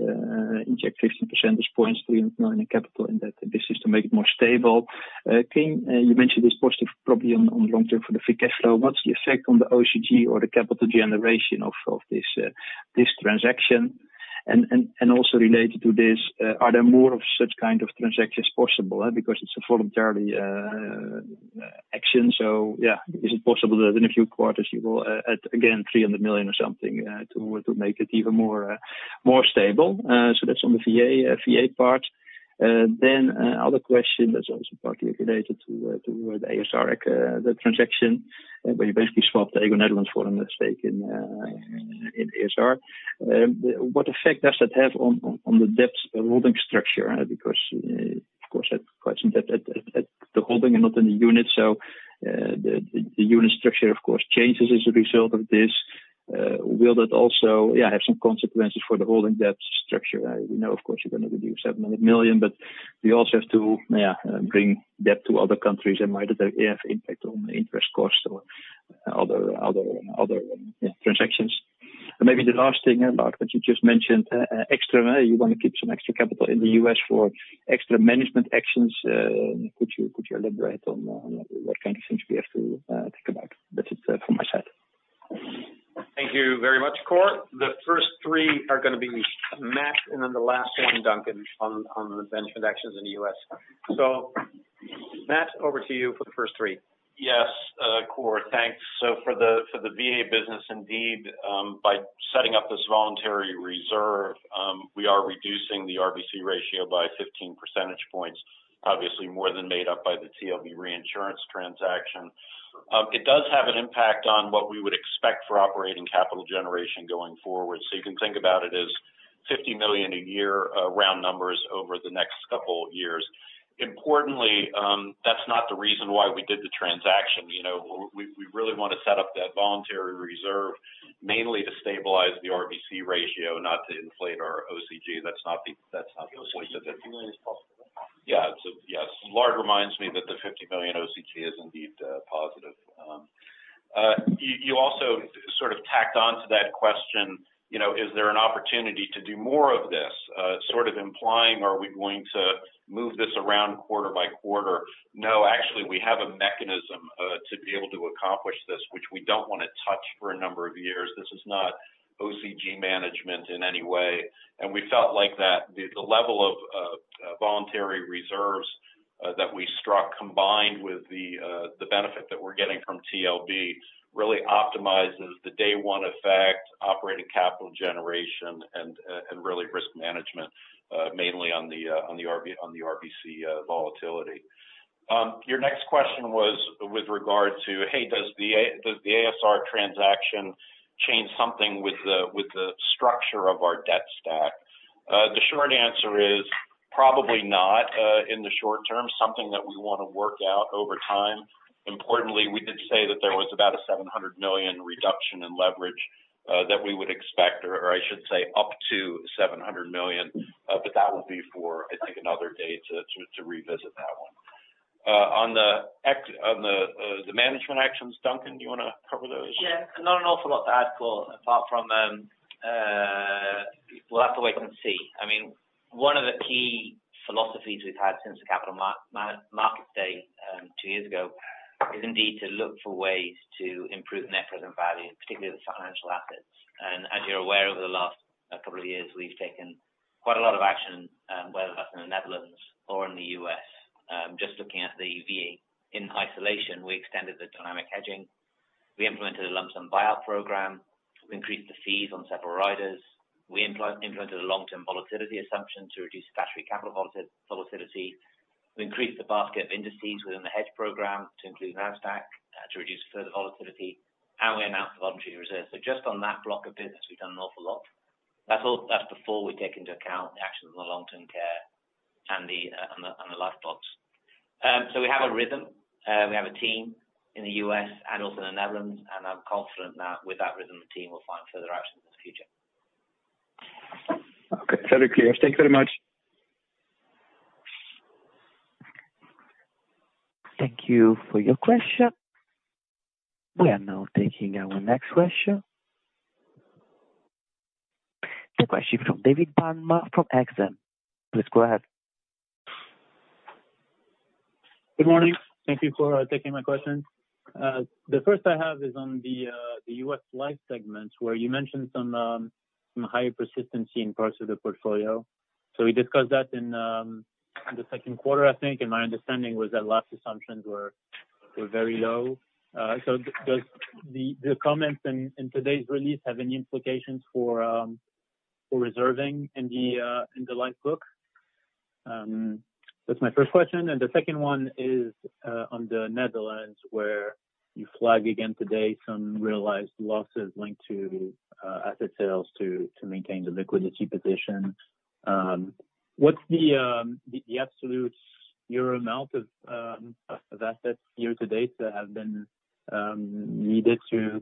inject 15 percentage points to your capital in that business to make it more stable. You mentioned this positive probably on long term for the free cash flow. What's the effect on the OCG or the capital generation of this transaction? And also related to this, are there more of such kind of transactions possible? Because it's a voluntary action. So yeah, is it possible that in a few quarters you will add again 300 million or something to make it even more stable? So that's on the VA part. Other question that's also partly related to the a.s.r. transaction, where you basically swapped the Aegon Netherlands for a stake in a.s.r.. What effect does that have on the debt holding structure? Because of course the debt is at the holding and not in the unit. The unit structure of course changes as a result of this. Will that also have some consequences for the holding debt structure? We know, of course, you're gonna reduce 700 million, but we also have to bring debt to other countries and might have impact on interest costs or other transactions. Maybe the last thing about what you just mentioned, extra. You wanna keep some extra capital in the U.S. for extra management actions. Could you elaborate on what kind of things we have to think about? That's it from my side. Thank you very much, Cor. The first three are gonna be Matt, and then the last one Duncan on the bench transactions in the US. Matt, over to you for the first three. Yes, Cor, thanks. For the VA business indeed, by setting up this voluntary reserve, we are reducing the RBC ratio by 15 percentage points, obviously more than made up by the TLB reinsurance transaction. It does have an impact on what we would expect for operating capital generation going forward. You can think about it as $50 million a year, round numbers over the next couple of years. Importantly, that's not the reason why we did the transaction. You know, we really want to set up that voluntary reserve mainly to stabilize the RBC ratio, not to inflate our OCG. That's not the point of it. The OCG is positive. Yeah. Yes. Lard reminds me that the 50 million OCG is indeed positive. You also sort of tacked on to that question, you know, is there an opportunity to do more of this? Sort of implying are we going to move this around quarter by quarter? No, actually, we have a mechanism to be able to accomplish this, which we don't wanna touch for a number of years. This is not OCG management in any way. We felt like that the level of voluntary reserves That we struck combined with the benefit that we're getting from TLB really optimizes the day one effect operating capital generation and really risk management mainly on the RBC volatility. Your next question was with regard to, hey, does the a.s.r. transaction change something with the structure of our debt stack? The short answer is probably not in the short term, something that we want to work out over time. Importantly, we did say that there was about a 700 million reduction in leverage that we would expect, or I should say up to 700 million, but that would be for, I think, another day to revisit that one. On the management actions, Duncan, do you want to cover those? Yeah. Not an awful lot to add, Cor, apart from, we'll have to wait and see. I mean, one of the key philosophies we've had since the Capital Markets Day two years ago is indeed to look for ways to improve net present value, particularly the financial assets. As you're aware, over the last couple of years, we've taken quite a lot of action, whether that's in the Netherlands or in the U.S. Just looking at the VA in isolation, we extended the dynamic hedging. We implemented a lump sum buyout program. We increased the fees on several riders. We implemented a long-term volatility assumption to reduce statutory capital volatility. We increased the basket of indices within the hedge program to include Nasdaq, to reduce further volatility and went out to voluntary reserves. Just on that block of business, we've done an awful lot. That's before we take into account the actions of the long-term care and the life books. We have a rhythm. We have a team in the U.S. and also in the Netherlands, and I'm confident that with that rhythm, the team will find further action in the future. Okay. Very clear. Thank you very much. Thank you for your question. We are now taking our next question. The question from David Barma from Exane. Please go ahead. Good morning. Thank you for taking my question. The first I have is on the US life segment, where you mentioned some higher persistency in parts of the portfolio. We discussed that in the second quarter, I think, and my understanding was that last assumptions were very low. Does the comments in today's release have any implications for reserving in the life book? That's my first question. The second one is on the Netherlands, where you flag again today some realized losses linked to asset sales to maintain the liquidity position. What's the absolute year amount of assets year to date that have been needed to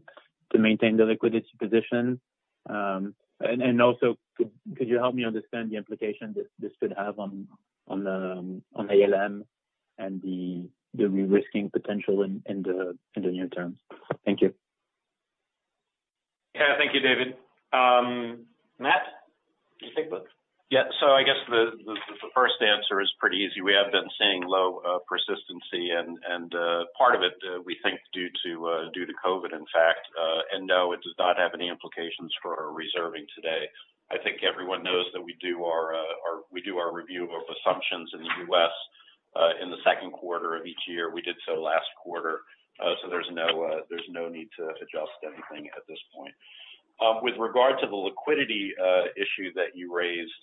maintain the liquidity position? Also, could you help me understand the implication this could have on the ALM and the risking potential in the near term? Thank you. Yeah. Thank you, David. Matt, can you take both? Yeah. I guess the first answer is pretty easy. We have been seeing low persistency and part of it we think due to COVID, in fact. No, it does not have any implications for our reserving today. I think everyone knows that we do our review of assumptions in the US in the second quarter of each year. We did so last quarter. There's no need to adjust anything at this point. With regard to the liquidity issue that you raised,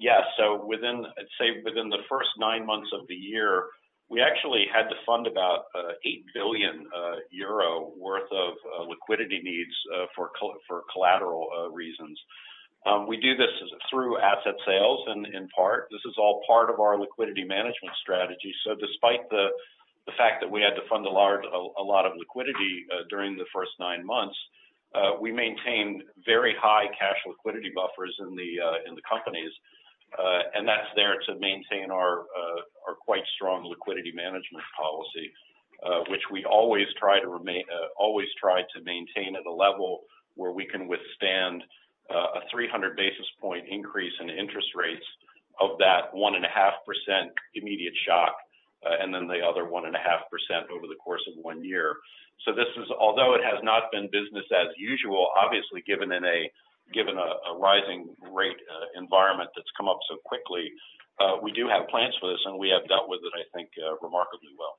yeah. Within, I'd say, within the first 9 months of the year, we actually had to fund about 8 billion euro worth of liquidity needs for collateral reasons. We do this through asset sales and in part. This is all part of our liquidity management strategy. Despite the fact that we had to fund a lot of liquidity during the first 9 months, we maintained very high cash liquidity buffers in the companies. That's there to maintain our quite strong liquidity management policy, which we always try to maintain at a level where we can withstand a 300 basis point increase in interest rates of that 1.5% immediate shock, and then the other 1.5% over the course of one year. Although it has not been business as usual, obviously, given a rising rate environment that's come up so quickly, we do have plans for this, and we have dealt with it, I think, remarkably well.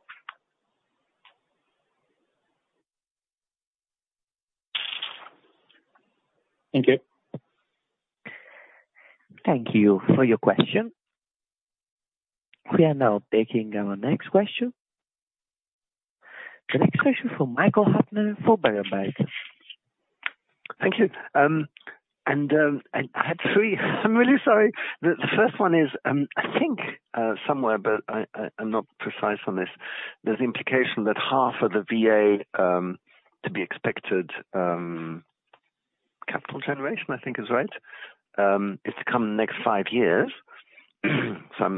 Thank you. Thank you for your question. We are now taking our next question. The next question from Michael Huttner for Berenberg. Thank you. I had three. I'm really sorry. The first one is, I think, somewhere, but I'm not precise on this. There's implication that half of the VA to be expected capital generation, I think is right, is to come in the next 5 years. I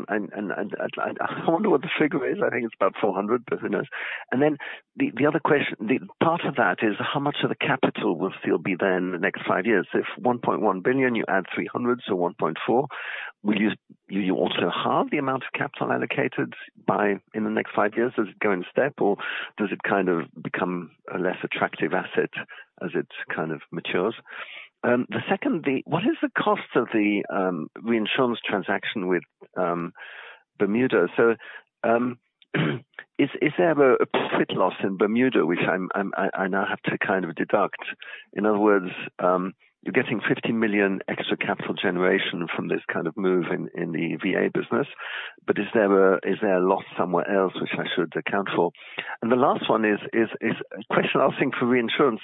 wonder what the figure is. I think it's about 400 million, but who knows? Then the other question, the part of that is how much of the capital will still be there in the next 5 years? If 1.1 billion, you add 300 million, so 1.4 billion. Will you also halve the amount of capital allocated in the next 5 years? Does it go in step, or does it kind of become a less attractive asset as it kind of matures? What is the cost of the reinsurance transaction with Bermuda? Is there a profit or loss in Bermuda, which I now have to kind of deduct? In other words, you are getting 50 million extra capital generation from this kind of move in the VA business. But is there a loss somewhere else which I should account for? The last one is a question I was thinking for reinsurance.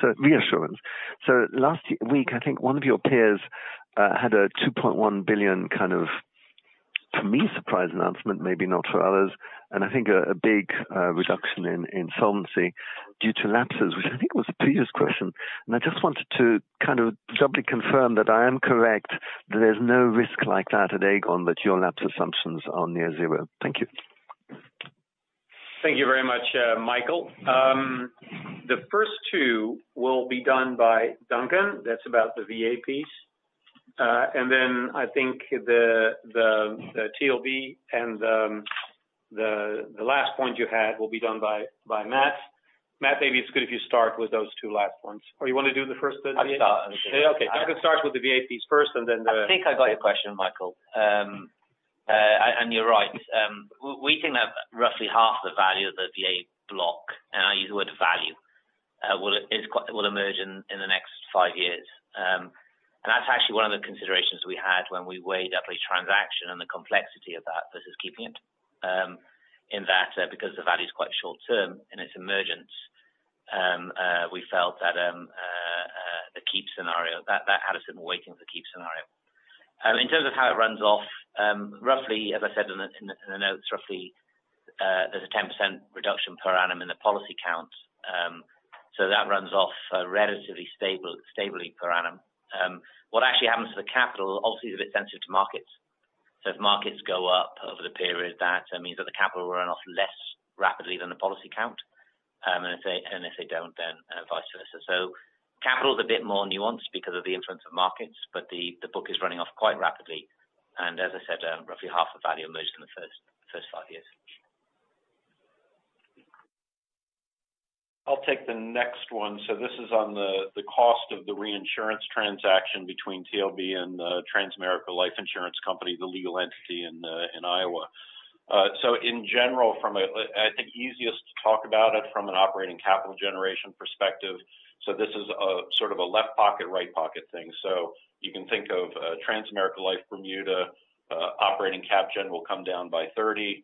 Last week, I think one of your peers had a 2.1 billion kind of, to me, surprise announcement, maybe not for others, and I just wanted to kind of doubly confirm that I am correct that there's no risk like that at Aegon, that your lapse assumptions are near zero. Thank you. Thank you very much, Michael. The first two will be done by Duncan. That's about the VA piece. Then I think the TLB and the last point you had will be done by Matt. Matt, maybe it's good if you start with those two last ones. Or you wanna do the first bit? I'll start. Okay. Duncan starts with the VA piece first, and then the I think I got your question, Michael. You're right. We think that roughly half the value of the VA block, and I use the word value, will emerge in the next 5 years. That's actually one of the considerations we had when we weighed up a transaction and the complexity of that versus keeping it in that because the value is quite short term in its emergence. We felt that the keep scenario had a similar weighting for keep scenario. In terms of how it runs off, roughly, as I said in the notes, roughly, there's a 10% reduction per annum in the policy count. That runs off relatively stably per annum. What actually happens to the capital obviously is a bit sensitive to markets. If markets go up over the period, that means that the capital will run-off less rapidly than the policy count. If they don't, then vice versa. Capital is a bit more nuanced because of the influence of markets, but the book is running off quite rapidly. As I said, roughly half the value emerges in the first five years. I'll take the next one. This is on the cost of the reinsurance transaction between TLB and the Transamerica Life Insurance Company, the legal entity in Iowa. In general, I think easiest to talk about it from an operating capital generation perspective. This is a sort of a left pocket, right pocket thing. You can think of Transamerica Life Bermuda, operating cap gen will come down by 30.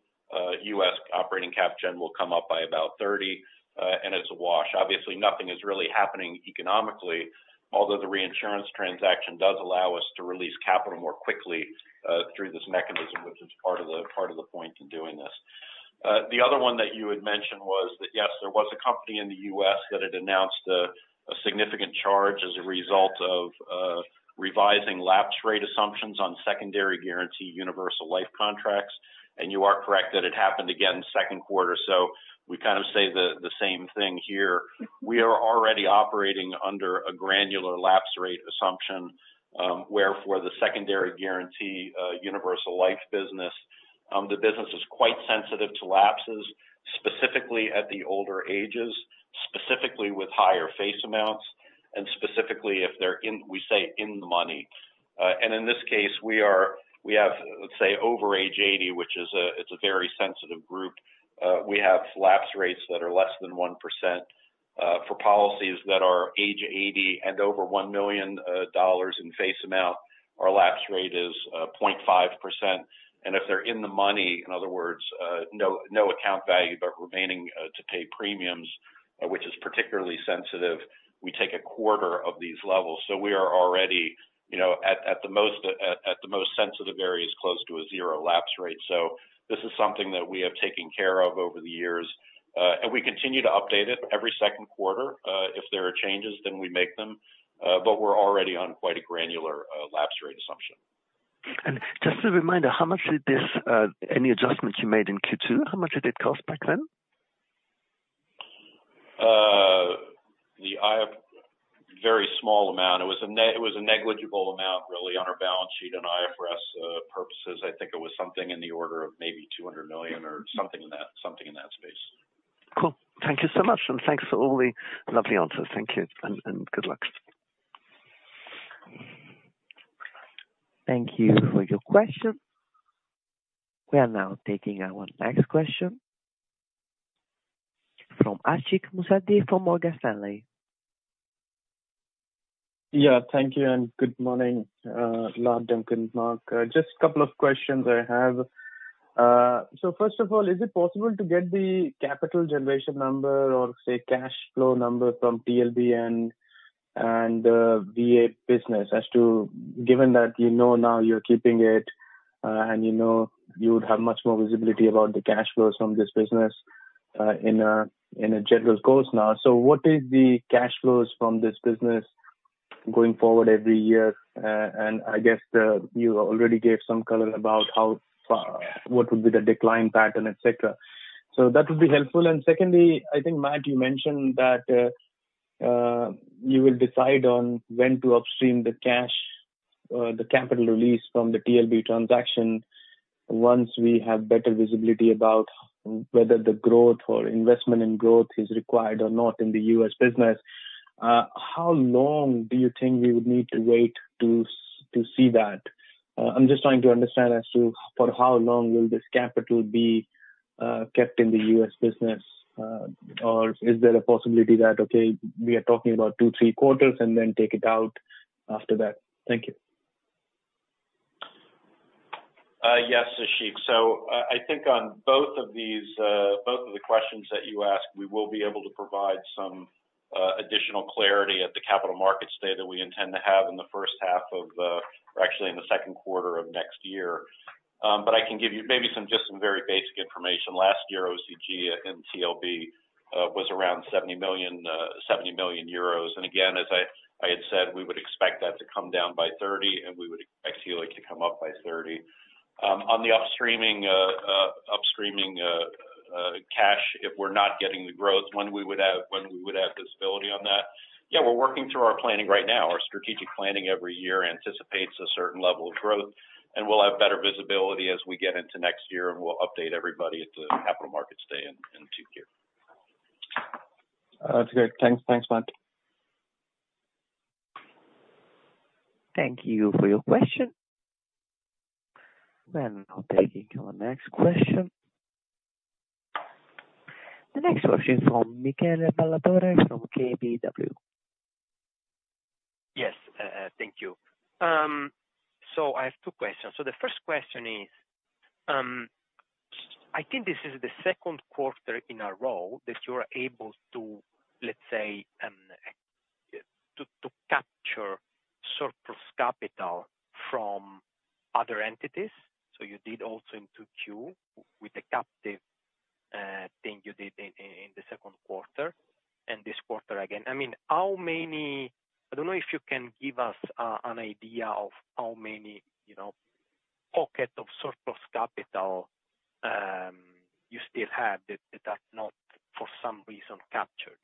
US operating cap gen will come up by about 30, and it's a wash. Obviously, nothing is really happening economically, although the reinsurance transaction does allow us to release capital more quickly through this mechanism, which is part of the point in doing this. The other one that you had mentioned was that, yes, there was a company in the US that had announced a significant charge as a result of revising lapse rate assumptions on Secondary Guarantee Universal Life contracts. You are correct that it happened again second quarter. We kind of say the same thing here. We are already operating under a granular lapse rate assumption, where for the Secondary Guarantee Universal Life business, the business is quite sensitive to lapses, specifically at the older ages, specifically with higher face amounts and specifically if they're in the money. In this case, we have, let's say, over age 80, which is a very sensitive group. We have lapse rates that are less than 1%, for policies that are age 80 and over $1 million in face amount. Our lapse rate is 0.5%. If they're in the money, in other words, no account value, but remaining to pay premiums, which is particularly sensitive, we take a quarter of these levels. We are already, you know, at the most sensitive areas, close to a zero lapse rate. This is something that we have taken care of over the years, and we continue to update it every second quarter. If there are changes, then we make them. But we're already on quite a granular lapse rate assumption. Just a reminder, how much did any adjustments you made in Q2 cost back then? I have very small amount. It was a negligible amount really on our balance sheet and IFRS purposes. I think it was something in the order of maybe 200 million or something in that space. Cool. Thank you so much, and thanks for all the lovely answers. Thank you and good luck. Thank you for your question. We are now taking our next question from Ashik Musaddi from Morgan Stanley. Yeah, thank you and good morning, Lard, Duncan, Matt. Just a couple of questions I have. First of all, is it possible to get the capital generation number or, say, cash flow number from TLB and VA business as to... Given that you know now you're keeping it, and you know you would have much more visibility about the cash flows from this business, in a general course now. What is the cash flows from this business going forward every year? And I guess, you already gave some color about what would be the decline pattern, et cetera. That would be helpful. Secondly, I think, Matt, you mentioned that you will decide on when to upstream the cash- The capital release from the TLB transaction. Once we have better visibility about whether the growth or investment in growth is required or not in the U.S. business, how long do you think we would need to wait to see that? I'm just trying to understand as to for how long will this capital be kept in the U.S. business. Or is there a possibility that, okay, we are talking about two, three quarters and then take it out after that? Thank you. Yes, Ashik. I think on both of these, both of the questions that you asked, we will be able to provide some additional clarity at the Capital Markets Day that we intend to have in the first half of, or actually in the second quarter of next year. I can give you maybe some very basic information. Last year, OCG and TLB was around 70 million. Again, as I had said we would expect that to come down by 30 million, and we would expect TLIC to come up by 30 million. On the upstreaming cash, if we're not getting the growth when we would have visibility on that. Yeah, we're working through our planning right now. Our strategic planning every year anticipates a certain level of growth, and we'll have better visibility as we get into next year, and we'll update everybody at the Capital Markets Day in Q2. That's great. Thanks. Thanks, Matt. Thank you for your question. We're now taking our next question. The next question from Michele Ballatore from KBW. Yes, thank you. I have two questions. The first question is, I think this is the second quarter in a row that you are able to, let's say, to capture surplus capital from other entities. You did also in Q2 with the captive thing you did in the second quarter and this quarter again. I mean, how many? I don't know if you can give us an idea of how many, you know, pocket of surplus capital you still have that are not for some reason captured.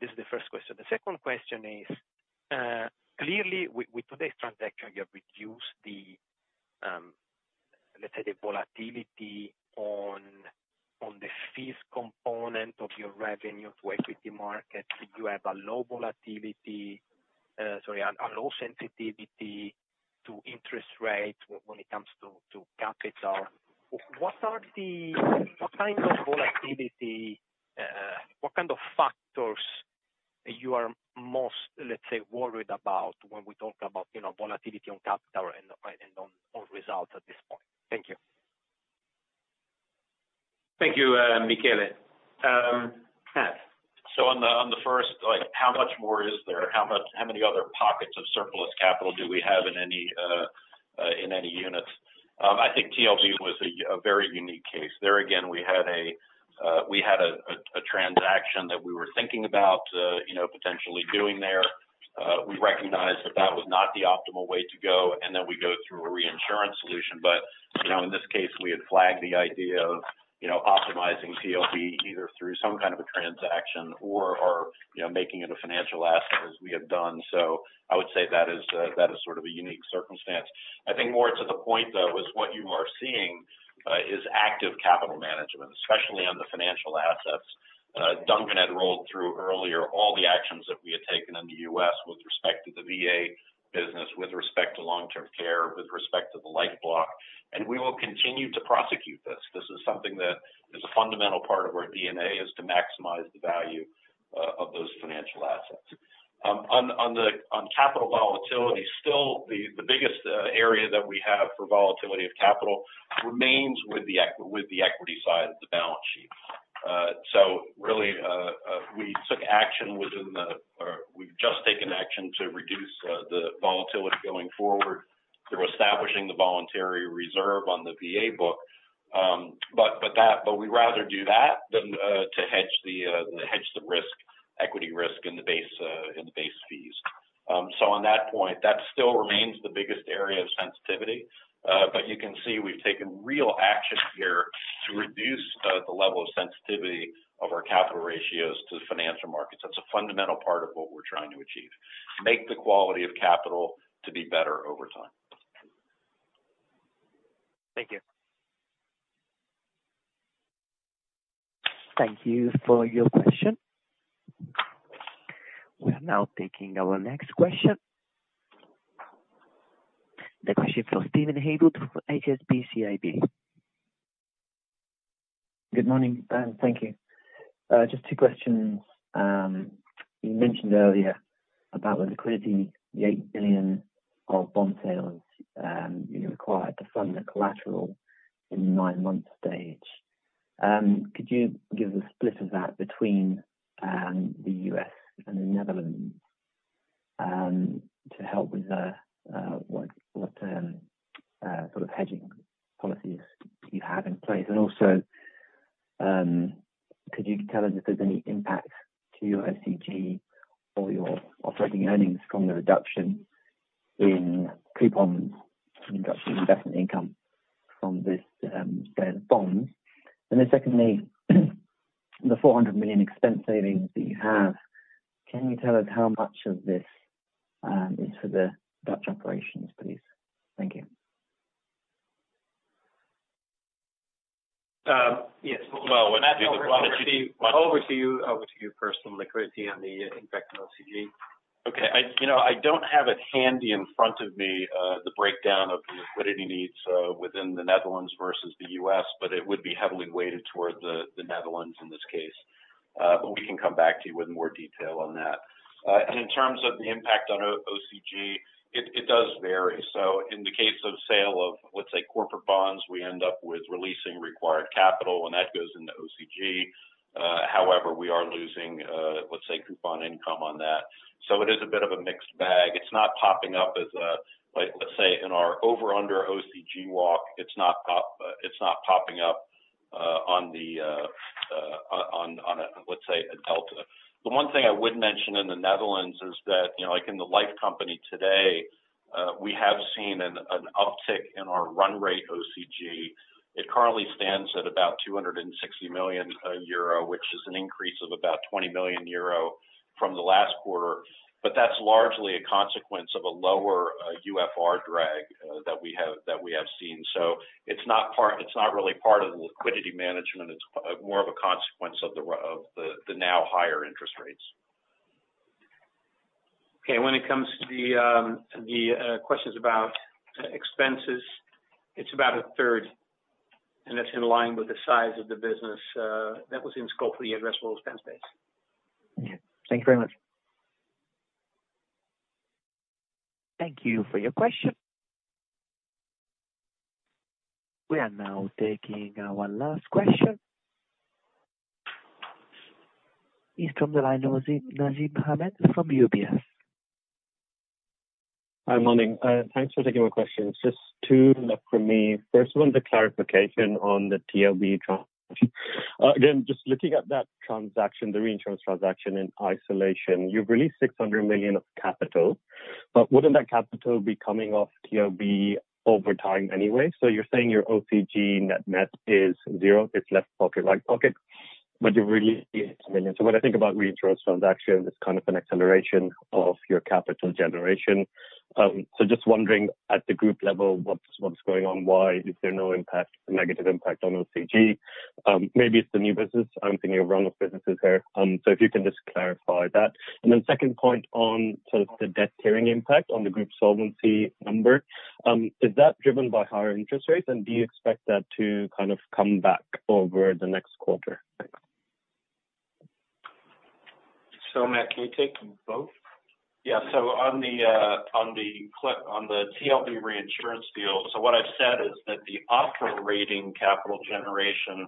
This is the first question. The second question is, clearly with today's transaction, you have reduced the, let's say, the volatility on the fees component of your revenue to equity markets. You have a low sensitivity to interest rates when it comes to capital. What kind of factors are you most, let's say, worried about when we talk about, you know, volatility on capital and on results at this point? Thank you. Thank you, Michele. Matt. On the first, like, how much more is there? How much, how many other pockets of surplus capital do we have in any units? I think TLB was a very unique case. There again, we had a transaction that we were thinking about, you know, potentially doing there. We recognized that that was not the optimal way to go, and then we go through a reinsurance solution. You know, in this case, we had flagged the idea of, you know, optimizing TLB either through some kind of a transaction or, you know, making it a financial asset as we have done. I would say that is sort of a unique circumstance. I think more to the point, though, is what you are seeing, is active capital management, especially on the financial assets. Duncan had rolled through earlier all the actions that we had taken in the U.S. with respect to the VA business, with respect to long-term care, with respect to the Life block. We will continue to prosecute this. This is something that is a fundamental part of our DNA, is to maximize the value, of those financial assets. On capital volatility, still the biggest area that we have for volatility of capital remains with the equity side of the balance sheet. So really, we've just taken action to reduce the volatility going forward through establishing the voluntary reserve on the VA book. We'd rather do that than to hedge the risk, equity risk in the base fees. On that point, that still remains the biggest area of sensitivity. You can see we've taken real action here to reduce the level of sensitivity of our capital ratios to the financial markets. That's a fundamental part of what we're trying to achieve. Make the quality of capital to be better over time. Thank you. Thank you for your question. We are now taking our next question. The question from Steven Haywood for HSBC. Good morning, and thank you. Just two questions. You mentioned earlier about the liquidity, the 8 billion of bond sales you required to fund the collateral in the nine months stage. Could you give the split of that between the U.S. and the Netherlands to help with the what sort of hedging policies you have in place? And also, could you tell us if there's any impact to your OCG or your operating earnings from the reduction in coupons and investment income from this bond? Secondly, the 400 million expense savings that you have, can you tell us how much of this is for the Dutch operations, please? Thank you. Yes. <crosstalk> Over to you first on liquidity and the impact on OCG. Okay. You know, I don't have it handy in front of me, the breakdown of the liquidity needs within the Netherlands versus the U.S., but it would be heavily weighted toward the Netherlands in this case. We can come back to you with more detail on that. In terms of the impact on OCG, it does vary. In the case of sale of, let's say, corporate bonds, we end up with releasing required capital, and that goes into OCG. However, we are losing, let's say, coupon income on that. It is a bit of a mixed bag. It's not popping up as a, like, let's say, in our over under OCG walk, it's not popping up on a, let's say, a delta. The one thing I would mention in the Netherlands is that, you know, like in the Life company today, we have seen an uptick in our run rate OCG. It currently stands at about 260 million euro, which is an increase of about 20 million euro from the last quarter. That's largely a consequence of a lower UFR drag that we have seen. It's not part, it's not really part of the liquidity management. It's more of a consequence of the now higher interest rates. Okay. When it comes to the questions about expenses, it's about a third, and that's in line with the size of the business that was in scope for the addressable expense base. Yeah. Thank you very much. Thank you for your question. We are now taking our last question. It's from the line of Nasib Ahmed from UBS. Hi, morning. Thanks for taking my questions. Just 2 left for me. First one's a clarification on the TLB transaction. Again, just looking at that transaction, the reinsurance transaction in isolation, you've released 600 million of capital, but wouldn't that capital be coming off TLB over time anyway? You're saying your OCG net-net is zero. It's left pocket, right pocket, but you've released 600 million. When I think about reinsurance transactions, it's kind of an acceleration of your capital generation. Just wondering at the group level, what's going on? Why is there no impact, a negative impact on OCG? Maybe it's the new business. I'm thinking of round of businesses here. If you can just clarify that. Second point on sort of the debt tiering impact on the group solvency number, is that driven by higher interest rates? Do you expect that to kind of come back over the next quarter? Thanks. Matt, can you take both? On the TLB reinsurance deal, what I've said is that the upfront capital generation,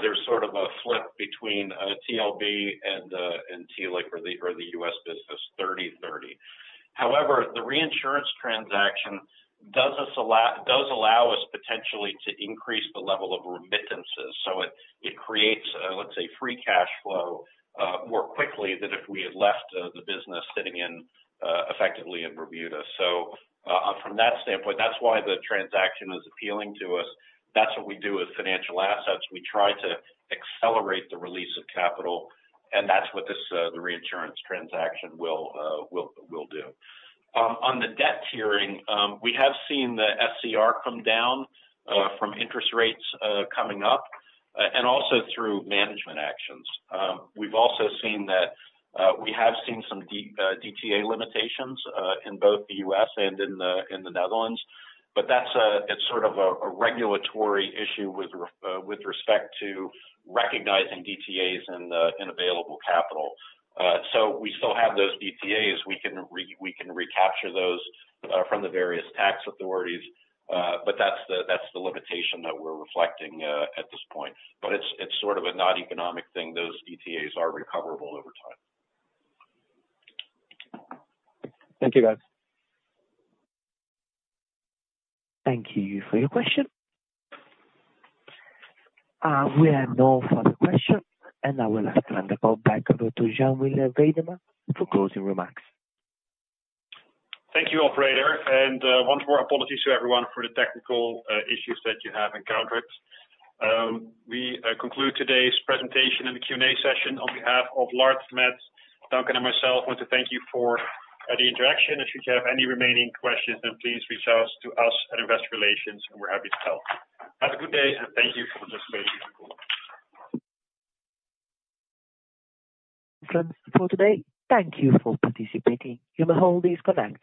there's sort of a flip between TLB and TLIC for the U.S. business, 30/30. However, the reinsurance transaction does allow us potentially to increase the level of remittances. It creates, let's say, free cash flow more quickly than if we had left the business sitting effectively in Bermuda. From that standpoint, that's why the transaction is appealing to us. That's what we do with financial assets. We try to accelerate the release of capital, and that's what this reinsurance transaction will do. On the debt tiering, we have seen the SCR come down from interest rates coming up and also through management actions. We've also seen some DTA limitations in both the U.S. and in the Netherlands, but that's sort of a regulatory issue with respect to recognizing DTAs in available capital. We still have those DTAs. We can recapture those from the various tax authorities. That's the limitation that we're reflecting at this point. It's sort of a non-economic thing. Those DTAs are recoverable over time. Thank you, guys. Thank you for your question. We have no further questions, and I will now hand the call back over to Jan Willem Weidema for closing remarks. Thank you, operator. Once more, apologies to everyone for the technical issues that you have encountered. We conclude today's presentation and the Q&A session. On behalf of Lard, Matt, Duncan, and myself, want to thank you for the interaction. If you have any remaining questions, then please reach out to us at Investor Relations, and we're happy to help. Have a good day, and thank you for participating. That's all for today. Thank you for participating. You may now disconnect.